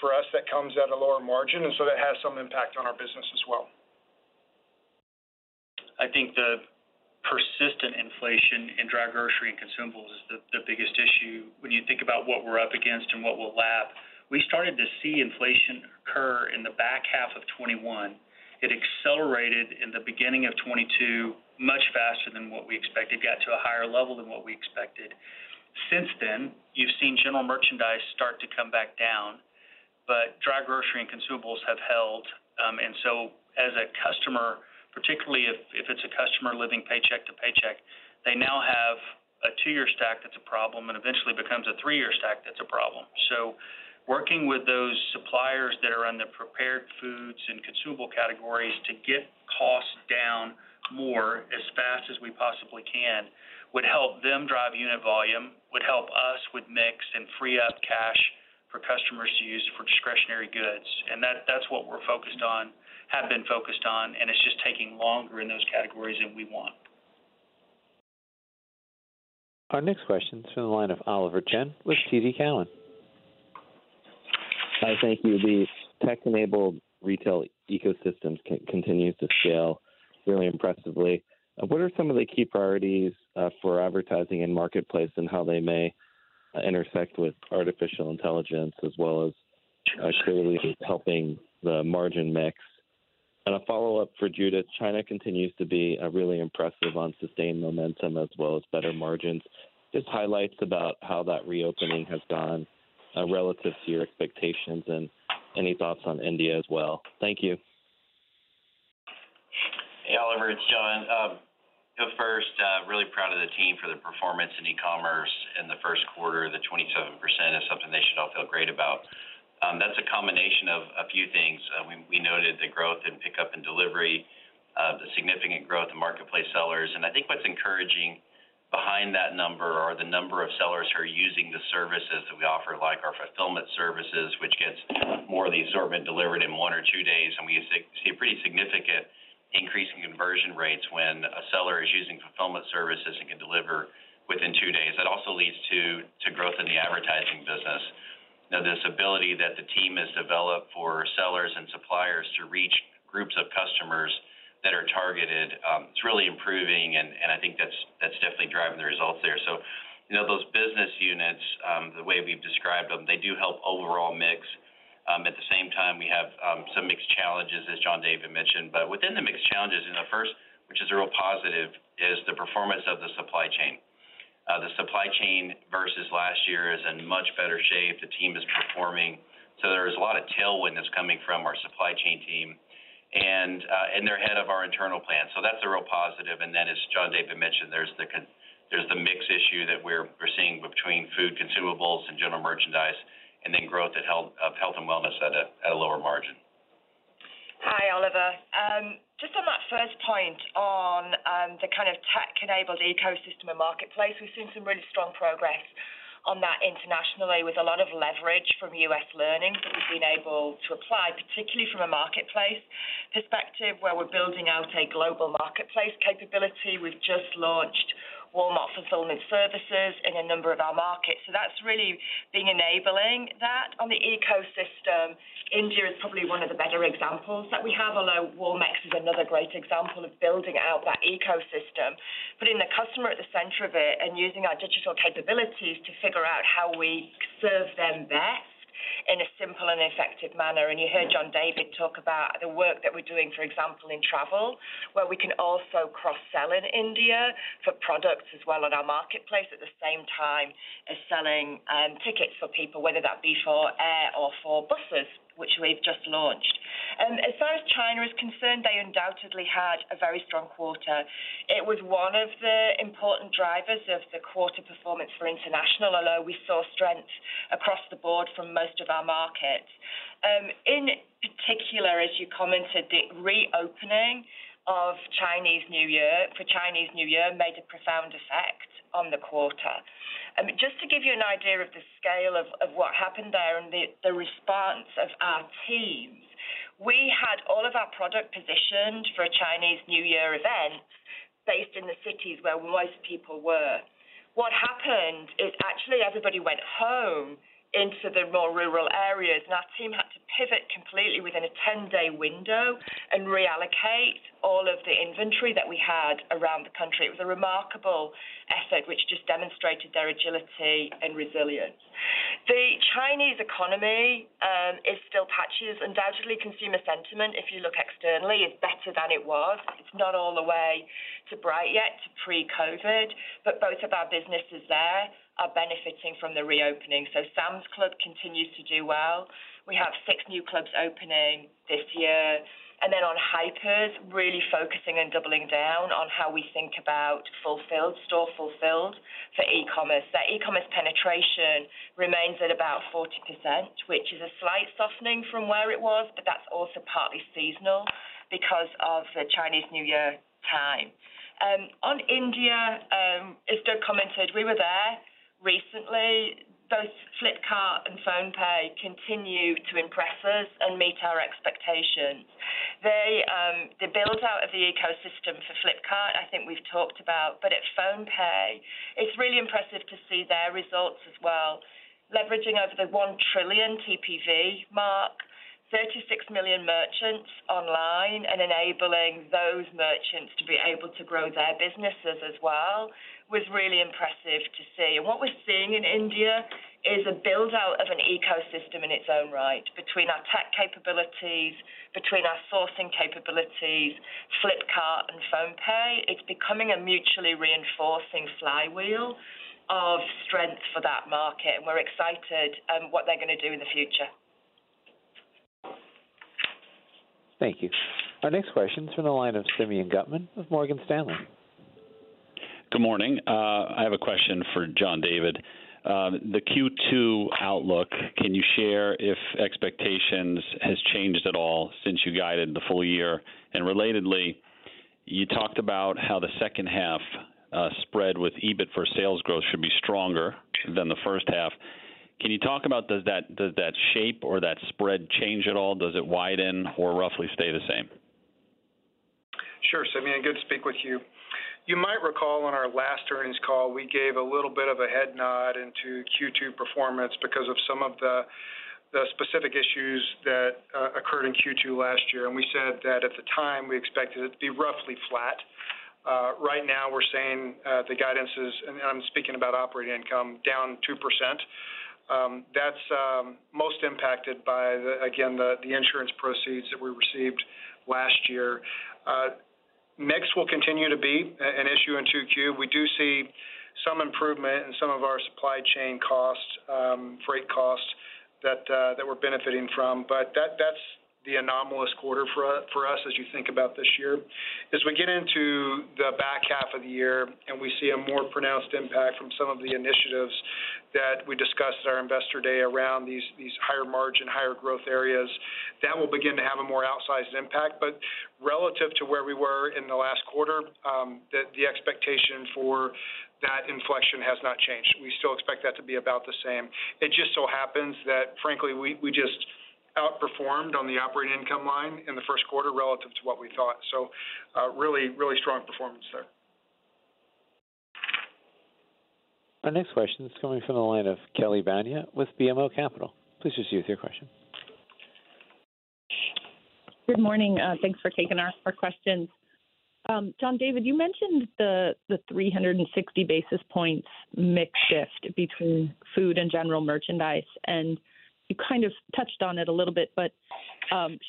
For us, that comes at a lower margin, and so that has some impact on our business as well. I think the persistent inflation in dry grocery and consumables is the biggest issue when you think about what we're up against and what we'll lap. We started to see inflation occur in the back half of 2021. It accelerated in the beginning of 2022 much faster than what we expected, got to a higher level than what we expected. Since then, you've seen general merchandise start to come back down, but dry grocery and consumables have held. As a customer, particularly if it's a customer living paycheck to paycheck, they now have a two-year stack that's a problem, and eventually becomes a three-year stack that's a problem. Working with those suppliers that are in the prepared foods and consumable categories to get costs down more as fast as we possibly can, would help them drive unit volume, would help us with mix and free up cash for customers to use for discretionary goods. And that's what we're focused on, have been focused on, and it's just taking longer in those categories than we want. Our next question is from the line of Oliver Chen with TD Cowen. Hi. Thank you. The tech-enabled retail ecosystems continues to scale really impressively. What are some of the key priorities for advertising in Marketplace and how they may intersect with artificial intelligence as well as surely helping the margin mix? A follow-up for Judith. China continues to be a really impressive on sustained momentum as well as better margins. Just highlights about how that reopening has gone relative to your expectations, and any thoughts on India as well. Thank you. Hey, Oliver, it's John. First, really proud of the team for the performance in e-commerce in the first quarter. The 27% is something they should all feel great about. That's a combination of a few things. We, we noted the growth in PickUp and Delivery. Marketplace sellers. I think what's encouraging behind that number are the number of sellers who are using the services that we offer, like our fulfillment services, which gets more of the assortment delivered in one or two days, and we see a pretty significant increase in conversion rates when a seller is using fulfillment services and can deliver within two days. That also leads to growth in the advertising business. Now, this ability that the team has developed for sellers and suppliers to reach groups of customers that are targeted, it's really improving, and I think that's definitely driving the results there. You know, those business units, the way we've described them, they do help overall mix. At the same time, we have some mix challenges, as John David mentioned. Within the mix challenges, and the first, which is a real positive, is the performance of the supply chain. The supply chain versus last year is in much better shape. The team is performing. There is a lot of tailwind that's coming from our supply chain team and they're ahead of our internal plan. That's a real positive. As John David mentioned, there's the mix issue that we're seeing between food consumables and general merchandise, and then growth of health and wellness at a lower margin. Hi, Oliver. Just on that first point on, the kind of tech-enabled ecosystem and marketplace, we've seen some really strong progress on that internationally with a lot of leverage from U.S. learning that we've been able to apply, particularly from a marketplace perspective, where we're building out a global marketplace capability. We've just launched Walmart Fulfillment Services in a number of our markets. That's really been enabling that. On the ecosystem, India is probably one of the better examples that we have, although Walmex is another great example of building out that ecosystem, putting the customer at the center of it and using our digital capabilities to figure out how we serve them best in a simple and effective manner. You heard John David talk about the work that we're doing, for example, in travel, where we can also cross-sell in India for products as well on our marketplace, at the same time as selling tickets for people, whether that be for air or for buses, which we've just launched. As far as China is concerned, they undoubtedly had a very strong quarter. It was one of the important drivers of the quarter performance for international, although we saw strength across the board from most of our markets. In particular, as you commented, the reopening for Chinese New Year made a profound effect on the quarter. Just to give you an idea of the scale of what happened there and the response of our teams, we had all of our product positioned for a Chinese New Year event based in the cities where most people were. What happened is actually everybody went home into the more rural areas, and our team had to pivot completely within a 10-day window and reallocate all of the inventory that we had around the country. It was a remarkable effort which just demonstrated their agility and resilience. The Chinese economy is still patchy. Undoubtedly consumer sentiment, if you look externally, is better than it was. It's not all the way to bright yet to pre-COVID, but both of our businesses there are benefiting from the reopening. Sam's Club continues to do well. We have six new clubs opening this year. On hypers, really focusing and doubling down on how we think about fulfilled, store fulfilled for e-commerce. The e-commerce penetration remains at about 40%, which is a slight softening from where it was, but that's also partly seasonal because of the Chinese New Year time. On India, as Doug commented, we were there recently. Both Flipkart and PhonePe continue to impress us and meet our expectations. They, the build-out of the ecosystem for Flipkart, I think we've talked about. At PhonePe, it's really impressive to see their results as well, leveraging over the 1 trillion TPV mark, 36 million merchants online, and enabling those merchants to be able to grow their businesses as well, was really impressive to see. What we're seeing in India is a build-out of an ecosystem in its own right. Between our tech capabilities, between our sourcing capabilities, Flipkart and PhonePe, it's becoming a mutually reinforcing flywheel of strength for that market. We're excited, what they're going to do in the future. Thank you. Our next question is from the line of Simeon Gutman of Morgan Stanley. Good morning. I have a question for John David. The Q2 outlook, can you share if expectations has changed at all since you guided the full year? Relatedly, you talked about how the second half spread with EBIT for sales growth should be stronger than the first half. Can you talk about does that shape or that spread change at all? Does it widen or roughly stay the same? Sure, Simeon, good to speak with you. You might recall on our last earnings call, we gave a little bit of a head nod into Q2 performance because of some of the specific issues that occurred in Q2 last year. We said that at the time, we expected it to be roughly flat. Right now we're saying, the guidance is, and I'm speaking about operating income, down 2%. That's most impacted by the, again, the insurance proceeds that we received last year. Mix will continue to be an issue in 2Q. We do see some improvement in some of our supply chain costs, freight costs that we're benefiting from, but that's the anomalous quarter for us as you think about this year. As we get into the year, and we see a more pronounced impact from some of the initiatives that we discussed at our Investor Day around these higher margin, higher growth areas that will begin to have a more outsized impact. Relative to where we were in the last quarter, the expectation for that inflection has not changed. We still expect that to be about the same. It just so happens that frankly, we just outperformed on the operating income line in the first quarter relative to what we thought. Really, really strong performance there. Our next question is coming from the line of Kelly Bania with BMO Capital. Please proceed with your question. Good morning. Thanks for taking our questions. John David, you mentioned the 360 basis points mix shift between food and general merchandise, and you kind of touched on it a little bit, but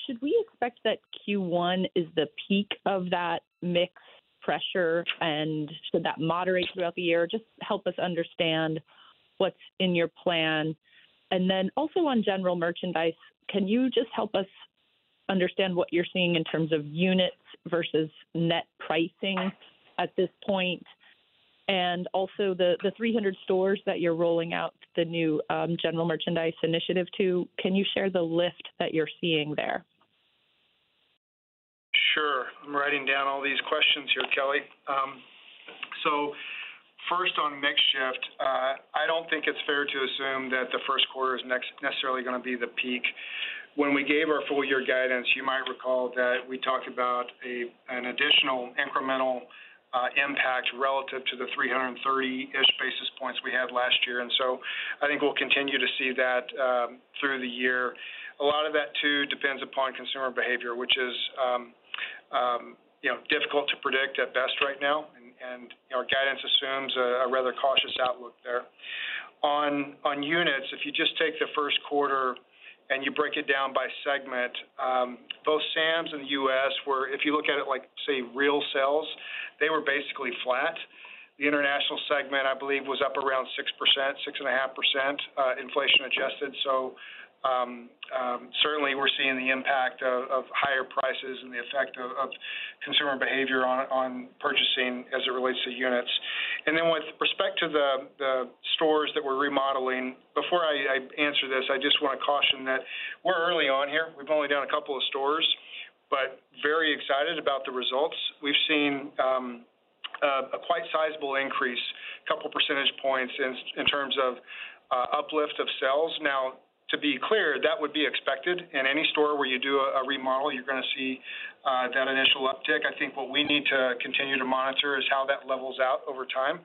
should we expect that Q1 is the peak of that mix pressure and should that moderate throughout the year? Just help us understand what's in your plan. Also on general merchandise, can you just help us understand what you're seeing in terms of units versus net pricing at this point? Also the 300 stores that you're rolling out the new general merchandise initiative to, can you share the lift that you're seeing there? Sure. I'm writing down all these questions here, Kelly. First on mix shift. I don't think it's fair to assume that the first quarter is necessarily gonna be the peak. When we gave our full year guidance, you might recall that we talked about an additional incremental impact relative to the 330-ish basis points we had last year. I think we'll continue to see that through the year. A lot of that too depends upon consumer behavior, which is, you know, difficult to predict at best right now. Our guidance assumes a rather cautious outlook there. On units, if you just take the first quarter and you break it down by segment, both Sam's and U.S. were, if you look at it like, say, real sales, they were basically flat. The international segment, I believe was up around 6%, 6.5%, inflation adjusted. Certainly we're seeing the impact of higher prices and the effect of consumer behavior on purchasing as it relates to units. With respect to the stores that we're remodeling, before I answer this, I just want to caution that we're early on here. We've only done a couple of stores, but very excited about the results. We've seen a quite sizable increase, couple percentage points in terms of uplift of sales. To be clear, that would be expected in any store where you do a remodel, you're going to see that initial uptick. I think what we need to continue to monitor is how that levels out over time.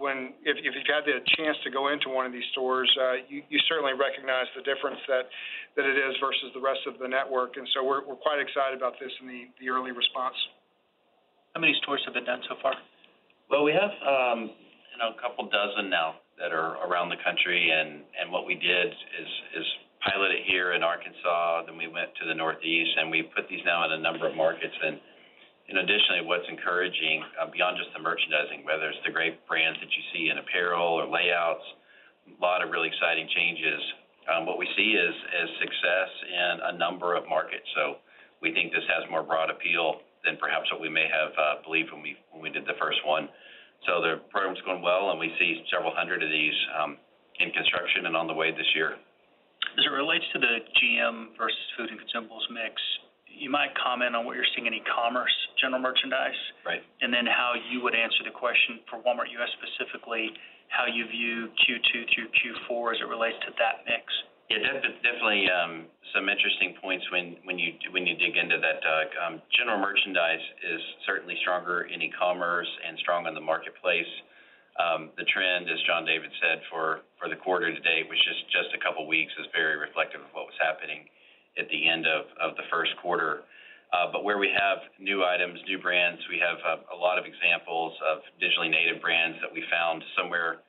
If, if you've got the chance to go into one of these stores, you certainly recognize the difference that it is versus the rest of the network. We're quite excited about this and the early response. How many stores have been done so far? We have, you know, a couple dozen now that are around the country, and what we did is pilot it here in Arkansas, then we went to the Northeast, and we put these now in a number of markets. Additionally, what's encouraging, beyond just the merchandising, whether it's the great brands that you see in apparel or layouts, a lot of really exciting changes. What we see is success in a number of markets. We think this has more broad appeal than perhaps what we may have believed when we, when we did the first one. The program's going well and we see several hundred of these in construction and on the way this year. As it relates to the GM versus food and consumables mix, you might comment on what you're seeing in e-commerce general merchandise. Right. How you would answer the question for Walmart U.S. specifically, how you view Q2 through Q4 as it relates to that mix? Yeah, definitely, some interesting points when you dig into that, Doug. General merchandise is certainly stronger in e-commerce and strong in the marketplace. The trend, as John David said, for the quarter to date was just a couple weeks, is very reflective of what was happening at the end of the first quarter. Where we have new items, new brands, we have a lot of examples of digitally native brands that we found somewhere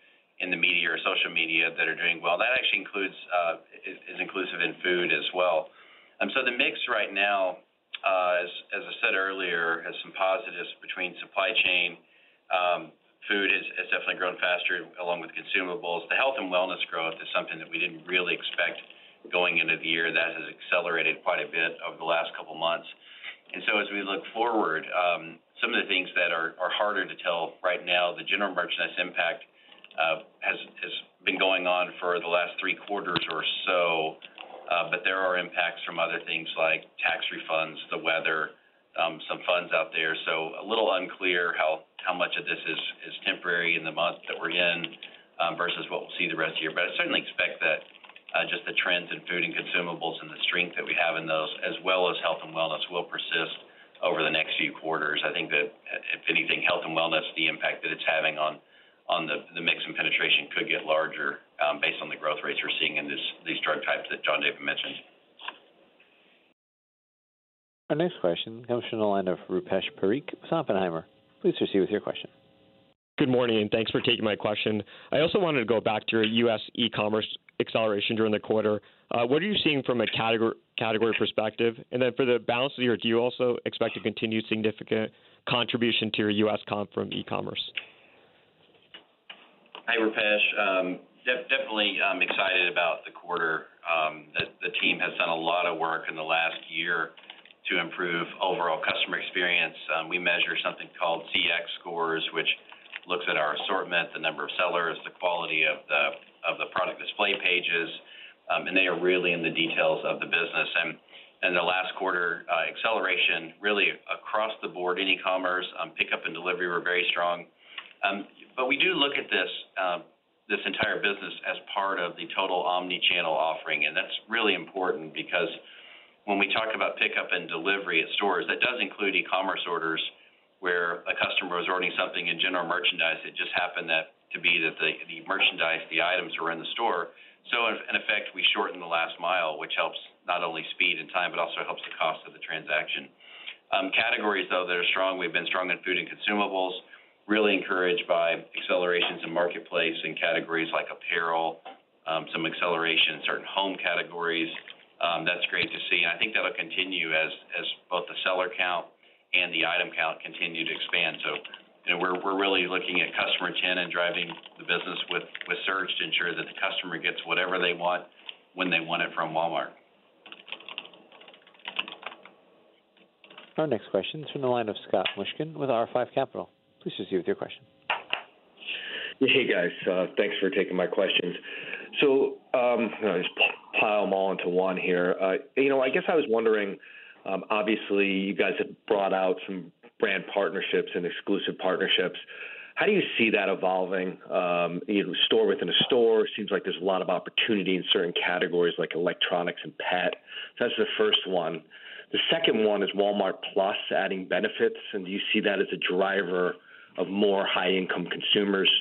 in the media or social media that are doing well. That actually includes, is inclusive in food as well. The mix right now, as I said earlier, has some positives between supply chain. Food has definitely grown faster along with consumables. The health and wellness growth is something that we didn't really expect going into the year. That has accelerated quite a bit over the last couple of months. As we look forward, some of the things that are harder to tell right now, the general merchandise impact has been going on for the last three quarters or so. There are impacts from other things like tax refunds, the weather, some funds out there. A little unclear how much of this is temporary in the month that we're in versus what we'll see the rest of the year. I certainly expect that just the trends in food and consumables and the strength that we have in those, as well as health and wellness, will persist over the next few quarters. I think that if anything, health and wellness, the impact that it's having on the mix and penetration could get larger, based on the growth rates we're seeing in these trend types that John David mentioned. Our next question comes from the line of Rupesh Parikh with Oppenheimer. Please proceed with your question. Good morning, and thanks for taking my question. I also wanted to go back to your U.S. e-commerce acceleration during the quarter. What are you seeing from a category perspective? For the balance of the year, do you also expect a continued significant contribution to your U.S. comp from e-commerce? Hi, Rupesh. Definitely, I'm excited about the quarter, the team has done a lot of work in the last year to improve overall customer experience. We measure something called CX scores, which looks at our assortment, the number of sellers, the quality of the product display pages, and they are really in the details of the business. The last quarter, acceleration really across the board in e-commerce, pickup and delivery were very strong. We do look at this entire business as part of the total omni-channel offering. That's really important because when we talk about pickup and delivery at stores, that does include e-commerce orders where a customer is ordering something in general merchandise, it just happened that to be that the merchandise, the items were in the store. In effect, we shorten the last mile, which helps not only speed and time, but also helps the cost of the transaction. Categories, though, that are strong. We've been strong in food and consumables, really encouraged by accelerations in marketplace and categories like apparel, some acceleration in certain home categories. That's great to see, and I think that'll continue as both the seller count and the item count continue to expand. You know, we're really looking at customer 10 and driving the business with surge to ensure that the customer gets whatever they want when they want it from Walmart. Our next question is from the line of Scott Mushkin with R5 Capital. Please proceed with your question. Hey, guys. Thanks for taking my questions. I'll just pile them all into one here. You know, I guess I was wondering, obviously, you guys have brought out some brand partnerships and exclusive partnerships. How do you see that evolving? You know, store within a store seems like there's a lot of opportunity in certain categories, like electronics and pet. That's the first one. The second one is Walmart+ adding benefits, and do you see that as a driver of more high-income consumers?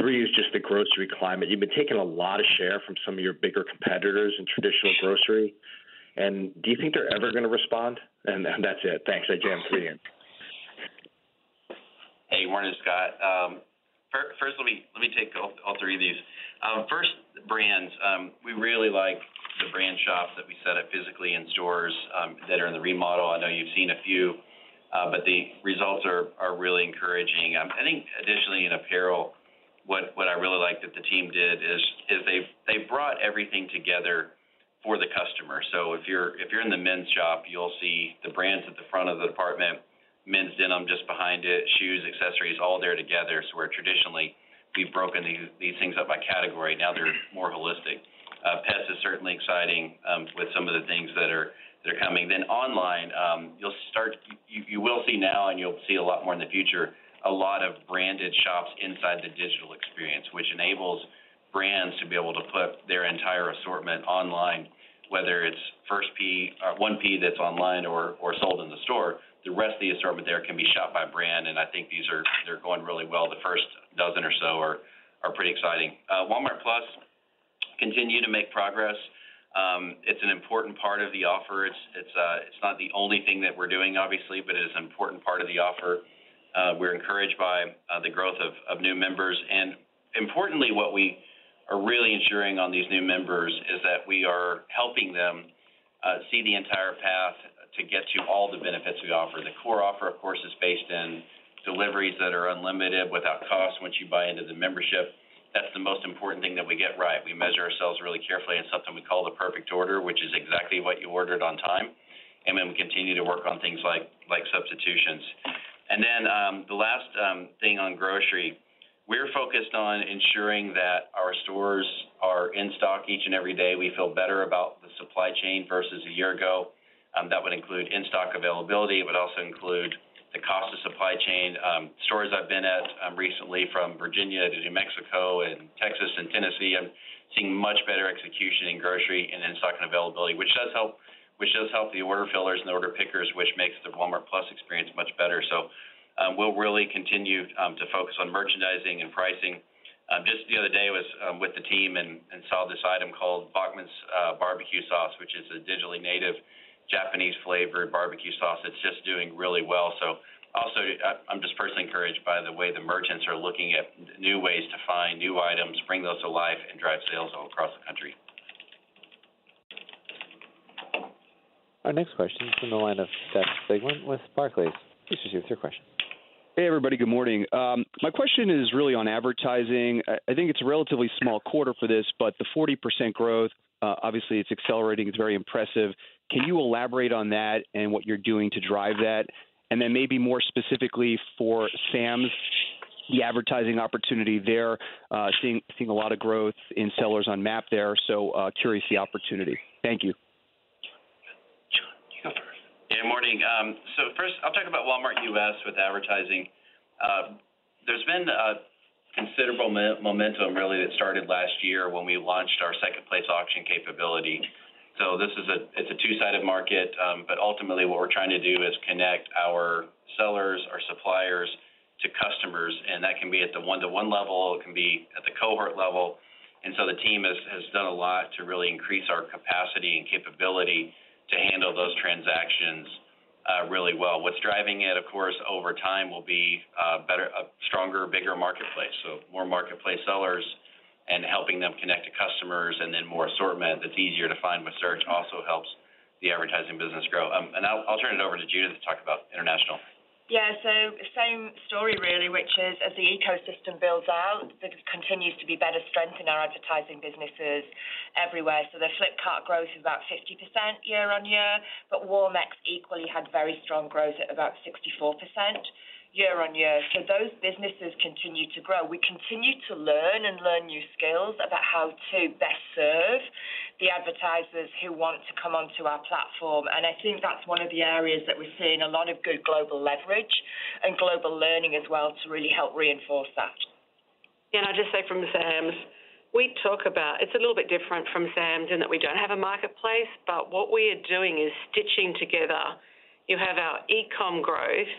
Three is just the grocery climate. You've been taking a lot of share from some of your bigger competitors in traditional grocery. Do you think they're ever gonna respond? That's it. Thanks again. Appreciate it. Hey. Morning, Scott. First let me take all three of these. First brands. We really like the brand shops that we set up physically in stores, that are in the remodel. I know you've seen a few. The results are really encouraging. I think additionally in apparel, what I really like that the team did is they brought everything together for the customer. If you're in the men's shop, you'll see the brands at the front of the department, men's denim just behind it, shoes, accessories, all there together. Where traditionally we've broken these things up by category, now they're more holistic. Pets is certainly exciting, with some of the things that are coming. Online, You will see now and you'll see a lot more in the future, a lot of branded shops inside the digital experience, which enables brands to be able to put their entire assortment online, whether it's first P or 1P that's online or sold in the store. The rest of the assortment there can be shopped by brand. I think they're going really well. The first 12 or so are pretty exciting. Walmart+ continue to make progress. It's an important part of the offer. It's not the only thing that we're doing, obviously, but it is an important part of the offer. We're encouraged by the growth of new members. Importantly, what we are really ensuring on these new members is that we are helping them see the entire path to get you all the benefits we offer. The core offer, of course, is based in deliveries that are unlimited without cost once you buy into the membership. That's the most important thing that we get right. We measure ourselves really carefully in something we call the perfect order, which is exactly what you ordered on time. We continue to work on things like substitutions. The last thing on grocery. We're focused on ensuring that our stores are in stock each and every day. We feel better about the supply chain versus a year ago. That would include in-stock availability. It would also include the cost of supply chain. Stores I've been at recently from Virginia to New Mexico and Texas and Tennessee, I'm seeing much better execution in grocery and in-stock and availability, which does help the order fillers and the order pickers, which makes the Walmart+ experience much better. We'll really continue to focus on merchandising and pricing. Just the other day was with the team and saw this item called Bachan's barbecue sauce, which is a digitally native Japanese flavored barbecue sauce. It's just doing really well. Also, I'm just personally encouraged by the way the merchants are looking at new ways to find new items, bring those to life, and drive sales all across the country. Our next question is from the line of Seth Sigman with Barclays. Please proceed with your question. Hey, everybody. Good morning. My question is really on advertising. I think it's a relatively small quarter for this, but the 40% growth, obviously it's accelerating. It's very impressive. Can you elaborate on that and what you're doing to drive that? Then maybe more specifically for Sam's, the advertising opportunity there, seeing a lot of growth in sellers on MAP there. Curious the opportunity? Thank you. You go first. Yeah, morning. First I'll talk about Walmart U.S. with advertising. There's been a considerable momentum really that started last year when we launched our second place auction capability. This is a two-sided market. Ultimately what we're trying to do is connect our sellers, our suppliers to customers, and that can be at the one-to-one level, it can be at the cohort level. The team has done a lot to really increase our capacity and capability to handle those transactions really well. What's driving it, of course, over time will be better, a stronger, bigger marketplace. More marketplace and helping them connect to customers and then more assortment that's easier to find with search also helps the advertising business grow. I'll turn it over to Judith to talk about international. Yeah. Same story really, which is as the ecosystem builds out, there continues to be better strength in our advertising businesses everywhere. The Flipkart growth is about 50% year on year, but Walmex equally had very strong growth at about 64% year on year. Those businesses continue to grow. We continue to learn and learn new skills about how to best serve the advertisers who want to come onto our platform. I think that's one of the areas that we're seeing a lot of good global leverage and global learning as well to really help reinforce that. Yeah. I'll just say from Sam's, it's a little bit different from Sam's in that we don't have a marketplace, but what we are doing is stitching together. You have our e-com growth,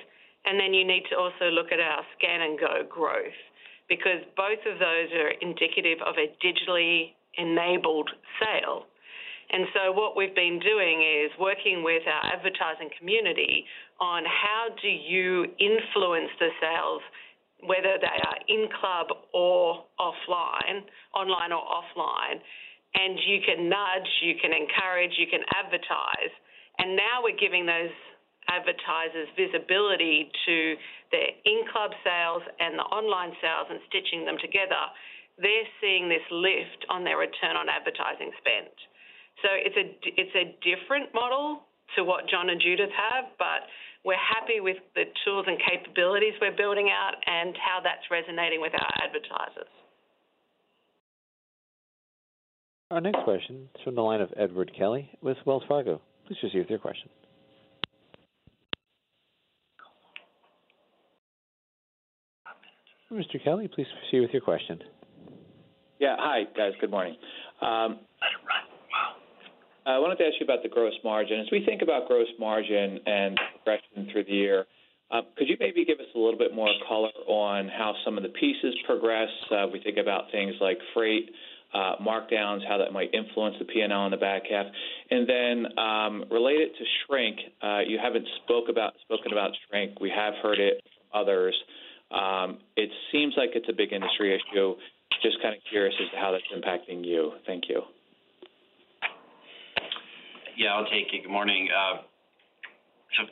and then you need to also look at our Scan & Go growth because both of those are indicative of a digitally enabled sale. What we've been doing is working with our advertising community on how do you influence the sales, whether they are in club or offline, online or offline. You can nudge, you can encourage, you can advertise. Now we're giving those advertisers visibility to their in club sales and the online sales and stitching them together. They're seeing this lift on their return on advertising spend. It's a different model to what John and Judith have, but we're happy with the tools and capabilities we're building out and how that's resonating with our advertisers. Our next question is from the line of Edward Kelly with Wells Fargo. Please proceed with your question. Mr. Kelly, please proceed with your question. Yeah. Hi, guys. Good morning. I wanted to ask you about the gross margin. As we think about gross margin and progression through the year, could you maybe give us a little bit more color on how some of the pieces progress? We think about things like freight, markdowns, how that might influence the P&L in the back half. Then, related to shrink, you haven't spoken about shrink. We have heard it from others. It seems like it's a big industry issue. Just kind of curious as to how that's impacting you. Thank you. Yeah, I'll take it. Good morning.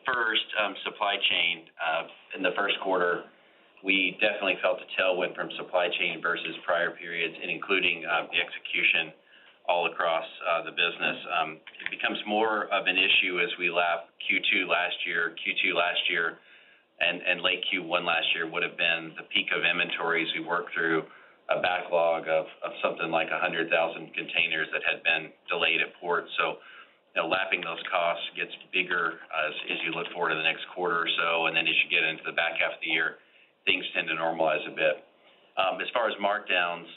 First, supply chain. In the first quarter, we definitely felt the tailwind from supply chain versus prior periods and including the execution all across the business. It becomes more of an issue as we lap Q2 last year. Q2 last year and late Q1 last year would have been the peak of inventories. We worked through a backlog of something like 100,000 containers that had been delayed at port. You know, lapping those costs gets bigger as you look forward to the next quarter or so. As you get into the back half of the year, things tend to normalize a bit. As far as markdowns,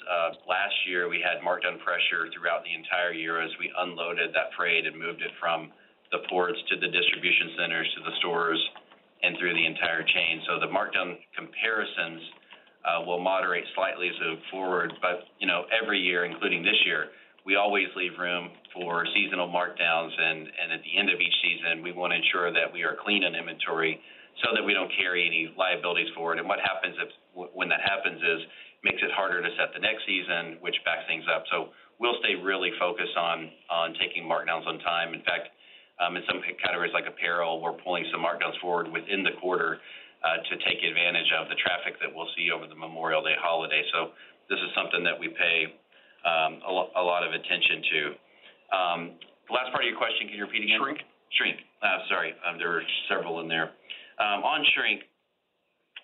last year, we had markdown pressure throughout the entire year as we unloaded that freight and moved it from the ports to the distribution centers to the stores and through the entire chain. The markdown comparisons will moderate slightly as we move forward. You know, every year, including this year, we always leave room for seasonal markdowns. At the end of each season, we want to ensure that we are clean in inventory so that we don't carry any liabilities forward. What happens when that happens is, makes it harder to set the next season, which backs things up. We'll stay really focused on taking markdowns on time. In fact, in some categories like apparel, we're pulling some markdowns forward within the quarter, to take advantage of the traffic that we'll see over the Memorial Day holiday. This is something that we pay, a lot of attention to. Last part of your question. Can you repeat again? Shrink. Shrink. Sorry, there are several in there. On shrink,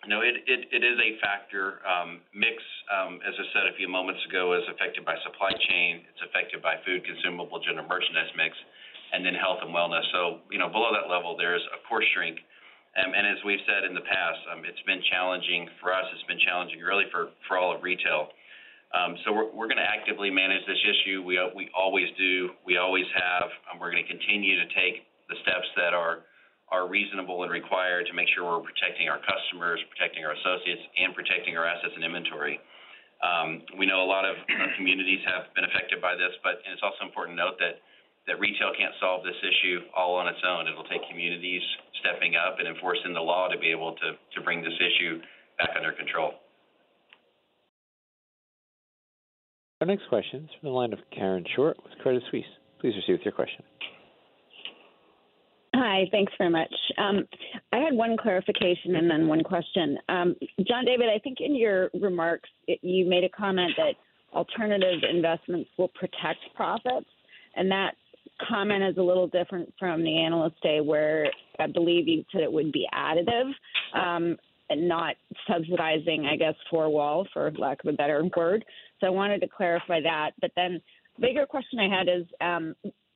you know, it, it is a factor. Mix, as I said a few moments ago, is affected by supply chain. It's affected by food consumable to the merchandise mix and then health and wellness. You know, below that level, there is of course shrink. And as we've said in the past, it's been challenging for us. It's been challenging really for all of retail. We're gonna actively manage this issue. We always do. We always have, and we're gonna continue to take the steps that are reasonable and required to make sure we're protecting our customers, protecting our associates, and protecting our assets and inventory. We know a lot of communities have been affected by this, and it's also important to note that retail can't solve this issue all on its own. It'll take communities stepping up and enforcing the law to bring this issue back under control. Our next question is from the line of Karen Short with Credit Suisse. Please proceed with your question. Hi. Thanks very much. I had one clarification and then one question. John David, I think in your remarks, you made a comment that alternative investments will protect profits, and that comment is a little different from the Investor Day, where I believe you said it would be additive, and not subsidizing, I guess, four walls, for lack of a better word. I wanted to clarify that. The bigger question I had is,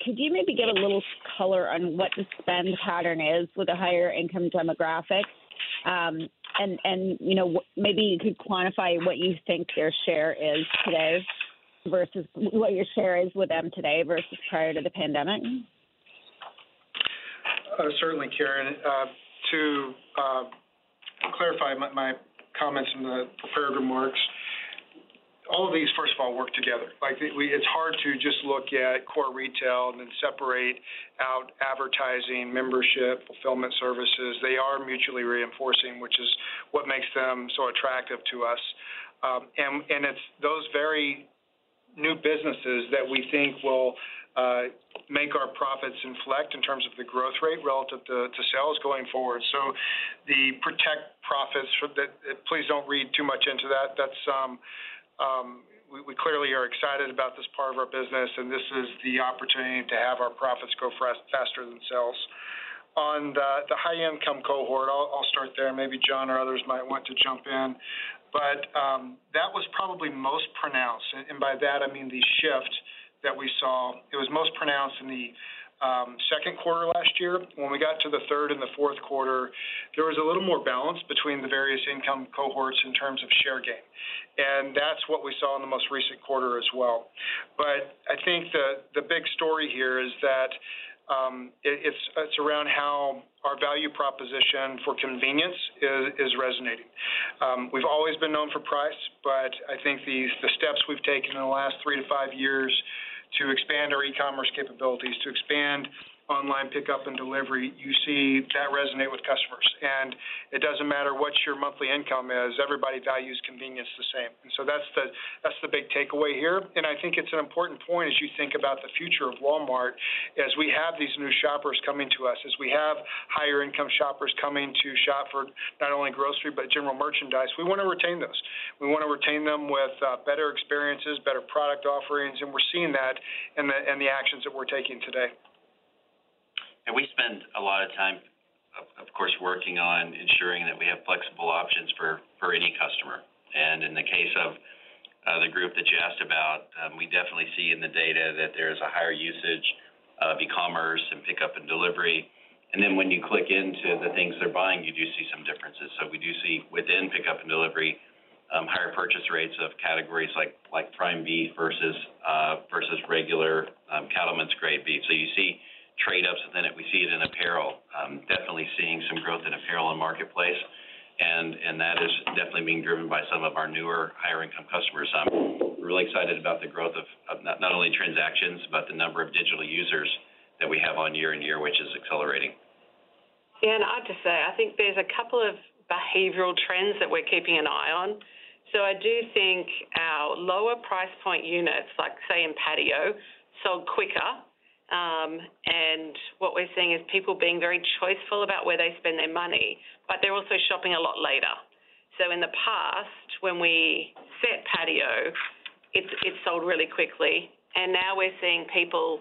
could you maybe give a little color on what the spend pattern is with a higher income demographic? And, you know, maybe you could quantify what you think their share is today versus what your share is with them today versus prior to the pandemic. Certainly, Karen. To clarify my comments in the prepared remarks. All of these, first of all, work together. It's hard to just look at core retail and then separate out advertising, membership, fulfillment services. They are mutually reinforcing, which is what makes them so attractive to us. And it's those very new businesses that we think will make our profits inflect in terms of the growth rate relative to sales going forward. Please don't read too much into that. That's, we clearly are excited about this part of our business, and this is the opportunity to have our profits grow faster than sales. On the high-income cohort, I'll start there. Maybe John or others might want to jump in. That was probably most pronounced, and by that I mean the shift that we saw. It was most pronounced in the second quarter last year. When we got to the third and the fourth quarter, there was a little more balance between the various income cohorts in terms of share gain. That's what we saw in the most recent quarter as well. I think the big story here is that it's around how our value proposition for convenience is resonating. We've always been known for price, but I think these, the steps we've taken in the last three to five years to expand our e-commerce capabilities, to expand online pickup and delivery, you see that resonate with customers. It doesn't matter what your monthly income is, everybody values convenience the same. That's the big takeaway here. I think it's an important point as you think about the future of Walmart, as we have these new shoppers coming to us, as we have higher income shoppers coming to shop for not only grocery, but general merchandise. We wanna retain those. We wanna retain them with better experiences, better product offerings, and we're seeing that in the actions that we're taking today. We spend a lot of time of course working on ensuring that we have flexible options for any customer. In the case of the group that you asked about, we definitely see in the data that there's a higher usage of e-commerce and pickup and delivery. Then when you click into the things they're buying, you do see some differences. We do see within pickup and delivery, higher purchase rates of categories like Prime beef versus regular Cattleman's Grade beef. You see trade-ups. Then we see it in apparel. Definitely seeing some growth in apparel and Marketplace, and that is definitely being driven by some of our newer higher income customers. I'm really excited about the growth of not only transactions, but the number of digital users that we have on year-over-year, which is accelerating. Yeah. I'd just say, I think there's a couple of behavioral trends that we're keeping an eye on. I do think our lower price point units, like say in patio, sold quicker. What we're seeing is people being very choiceful about where they spend their money, but they're also shopping a lot later. In the past when we set patio, it sold really quickly, and now we're seeing people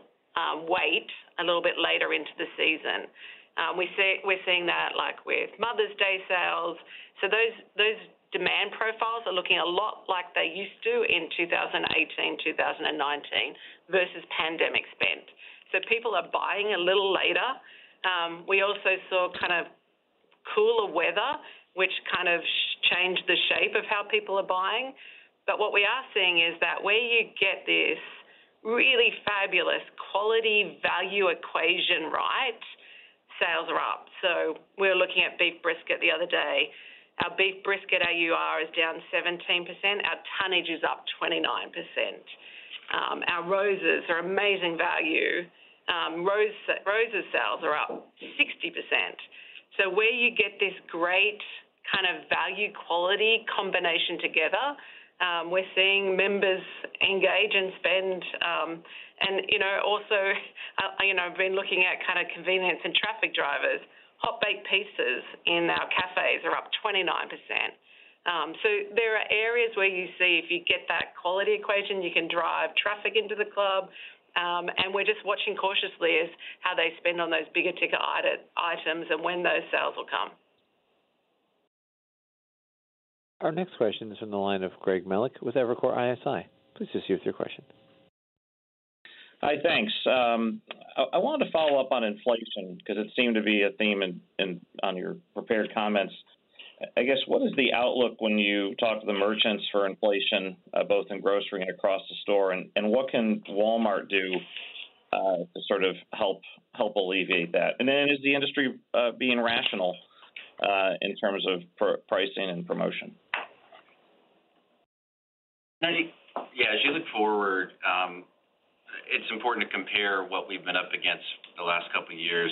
wait a little bit later into the season. We're seeing that, like, with Mother's Day sales. Those demand profiles are looking a lot like they used to in 2018, 2019 versus pandemic spend. People are buying a little later. We also saw kind of cooler weather, which kind of changed the shape of how people are buying. What we are seeing is that where you get this really fabulous quality-value equation right, sales are up. We're looking at beef brisket the other day. Our beef brisket AUR is down 17%, our tonnage is up 29%. Our roses are amazing value. Roses sales are up 60%. Where you get this great kind of value-quality combination together, we're seeing members engage and spend. You know, also, you know, I've been looking at kind of convenience and traffic drivers. Hot baked pieces in our cafes are up 29%. There are areas where you see if you get that quality equation, you can drive traffic into the club. We're just watching cautiously is how they spend on those bigger ticket items and when those sales will come. Our next question is from the line of Greg Melich with Evercore ISI. Please proceed with your question. Hi. Thanks. I wanted to follow up on inflation because it seemed to be a theme in on your prepared comments. I guess, what is the outlook when you talk to the merchants for inflation, both in grocery and across the store? What can Walmart do to sort of help alleviate that? Is the industry being rational in terms of pricing and promotion? I think, yeah, as you look forward, it's important to compare what we've been up against the last couple of years.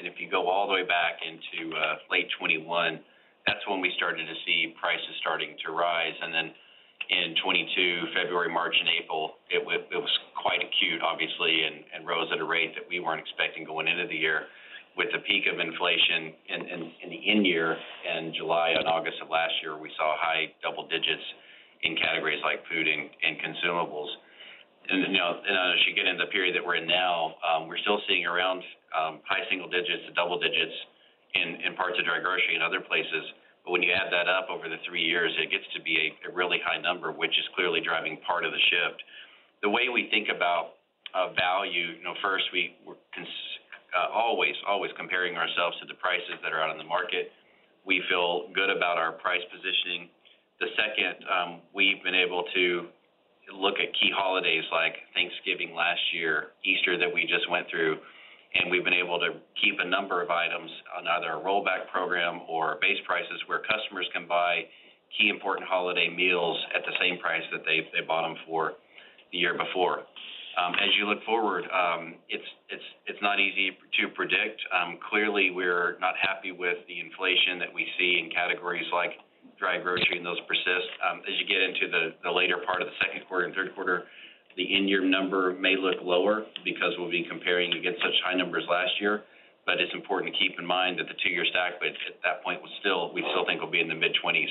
If you go all the way back into late 2021, that's when we started to see prices starting to rise. Then in 2022, February, March and April, it was quite acute, obviously, rose at a rate that we weren't expecting going into the year. With the peak of inflation in the end year, in July and August of last year, we saw high double digits in categories like food and consumables. You know, as you get into the period that we're in now, we're still seeing around high single digits to double digits in parts of dry grocery and other places. When you add that up over the three years, it gets to be a really high number, which is clearly driving part of the shift. The way we think about value, you know, first we always comparing ourselves to the prices that are out in the market. We feel good about our price positioning. The second, we've been able to look at key holidays like Thanksgiving last year, Easter that we just went through, and we've been able to keep a number of items on either a rollback program or base prices where customers can buy key important holiday meals at the same price that they bought them for the year before. As you look forward, it's not easy to predict. Clearly we're not happy with the inflation that we see in categories like dry grocery and those persist. As you get into the later part of the second quarter and third quarter, the in-year number may look lower because we'll be comparing against such high numbers last year. It's important to keep in mind that the two-year stack width at that point will still, we still think will be in the mid-twenties.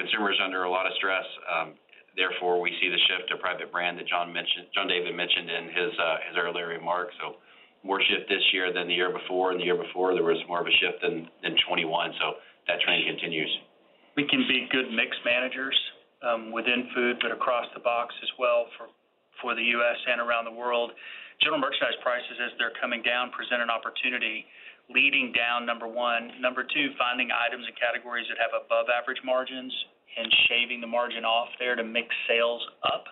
Consumer is under a lot of stress, therefore, we see the shift to private brand that John mentioned, John David mentioned in his earlier remarks. More shift this year than the year before, and the year before there was more of a shift than 2021. That trend continues. We can be good mix managers within food, but across the box as well for the U.S. and around the world. General merchandise prices, as they're coming down, present an opportunity, leading down, number one. Number two, finding items and categories that have above average margins and shaving the margin off there to mix sales up.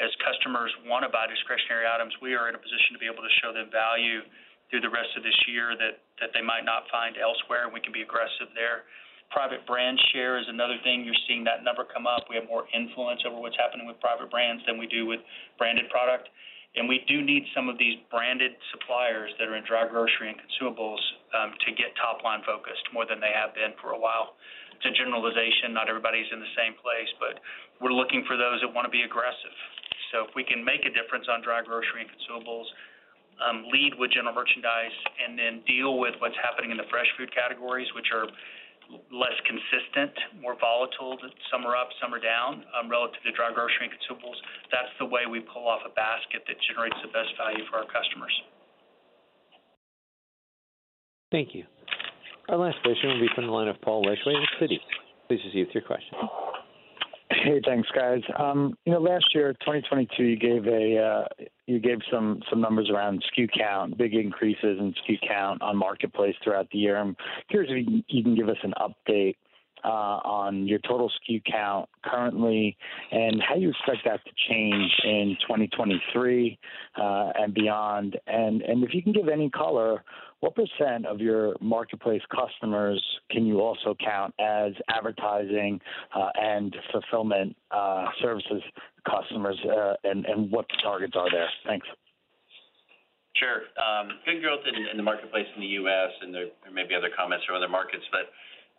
As customers wanna buy discretionary items, we are in a position to be able to show them value through the rest of this year that they might not find elsewhere, and we can be aggressive there. Private brand share is another thing. You're seeing that number come up. We have more influence over what's happening with private brands than we do with branded product. We do need some of these branded suppliers that are in dry grocery and consumables to get top-line focused more than they have been for a while. It's a generalization, not everybody's in the same place, but we're looking for those that wanna be aggressive. If we can make a difference on dry grocery and consumables, lead with general merchandise, and then deal with what's happening in the fresh food categories, which are less consistent, more volatile. Some are up, some are down relative to dry grocery and consumables. That's the way we pull off a basket that generates the best value for our customers. Thank you. Our last question will be from the line of Paul Lejuez with Citi. Please proceed with your question. Hey, thanks, guys. You know, last year, 2022, you gave some numbers around SKU count, big increases in SKU count on Marketplace throughout the year. I'm curious if you can give us an update on your total SKU count currently and how you expect that to change in 2023 and beyond. If you can give any color, what percent of your Marketplace customers can you also count as advertising and fulfillment services customers and what the targets are there? Thanks. Sure. good growth in the Marketplace in the U.S., and there may be other comments from other markets.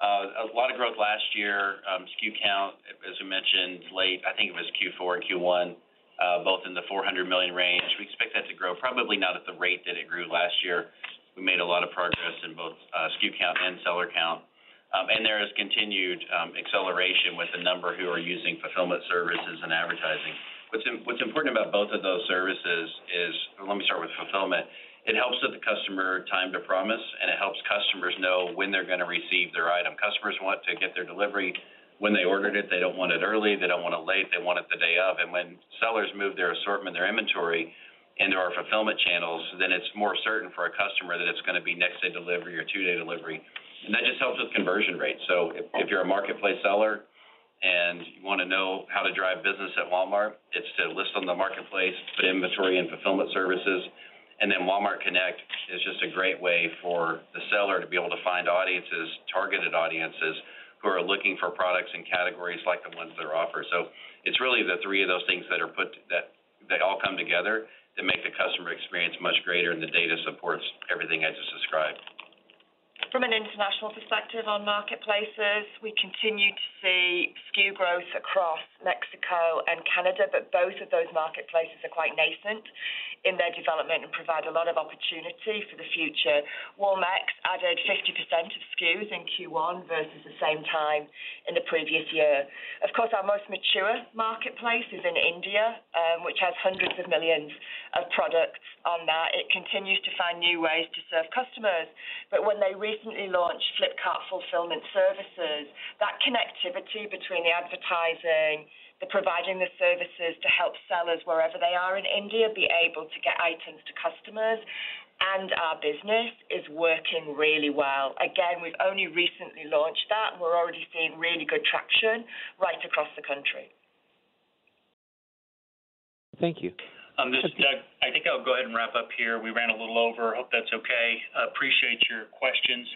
A lot of growth last year. SKU count, as we mentioned, late, I think it was Q4 and Q1, both in the $400 million range. We expect that to grow probably not at the rate that it grew last year. We made a lot of progress in both, SKU count and seller count. There is continued acceleration with the number who are using fulfillment services and advertising. What's important about both of those services is, let me start with fulfillment. It helps with the customer time to promise, and it helps customers know when they're gonna receive their item. Customers want to get their delivery when they ordered it. They don't want it early. They don't want it late. They want it the day of. When sellers move their assortment, their inventory into our fulfillment channels, then it's more certain for a customer that it's gonna be next day delivery or two-day delivery. That just helps with conversion rates. If you're a Marketplace seller and you wanna know how to drive business at Walmart, it's to list on the Marketplace, put inventory in fulfillment services. Walmart Connect is just a great way for the seller to be able to find audiences, targeted audiences who are looking for products and categories like the ones that are offered. It's really the three of those things that they all come together that make the customer experience much greater, and the data supports everything I just described. From an international perspective on marketplaces, we continue to see SKU growth across Mexico and Canada, but both of those marketplaces are quite nascent in their development and provide a lot of opportunity for the future. Walmex added 50% of SKUs in Q1 versus the same time in the previous year. Of course, our most mature marketplace is in India, which has hundreds of millions of products on that. It continues to find new ways to serve customers. When they recently launched Flipkart Fulfillment Services, that connectivity between the advertising, the providing the services to help sellers wherever they are in India be able to get items to customers, and our business is working really well. Again, we've only recently launched that, and we're already seeing really good traction right across the country. Thank you. This is Doug. I think I'll go ahead and wrap up here. We ran a little over. Hope that's okay. Appreciate your questions.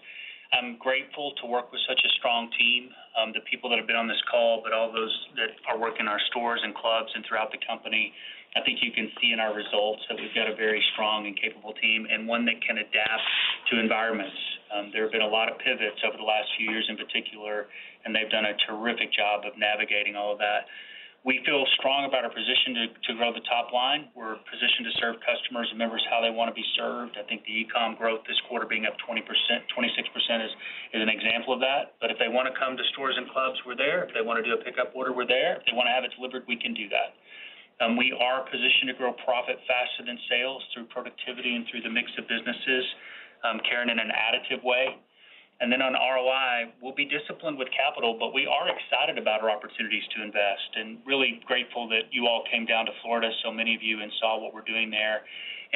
I'm grateful to work with such a strong team, the people that have been on this call, but all those that are working our stores and clubs and throughout the company. I think you can see in our results that we've got a very strong and capable team and one that can adapt to environments. There have been a lot of pivots over the last few years in particular, and they've done a terrific job of navigating all of that. We feel strong about our position to grow the top line. We're positioned to serve customers and members how they wanna be served. I think the e-com growth this quarter being up 20%, 26% is an example of that. If they wanna come to stores and clubs, we're there. If they wanna do a pickup order, we're there. If they wanna have it delivered, we can do that. We are positioned to grow profit faster than sales through productivity and through the mix of businesses, Karen in an additive way. On ROI, we'll be disciplined with capital, but we are excited about our opportunities to invest, and really grateful that you all came down to Florida, so many of you, and saw what we're doing there.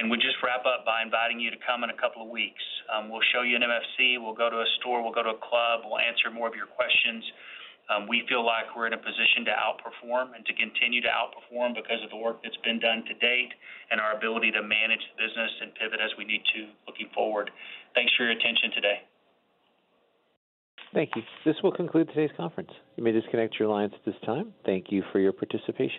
We just wrap up by inviting you to come in a couple of weeks. We'll show you an MFC, we'll go to a store, we'll go to a club, we'll answer more of your questions. We feel like we're in a position to outperform and to continue to outperform because of the work that's been done to date and our ability to manage the business and pivot as we need to looking forward. Thanks for your attention today. Thank you. This will conclude today's conference. You may disconnect your lines at this time. Thank you for your participation.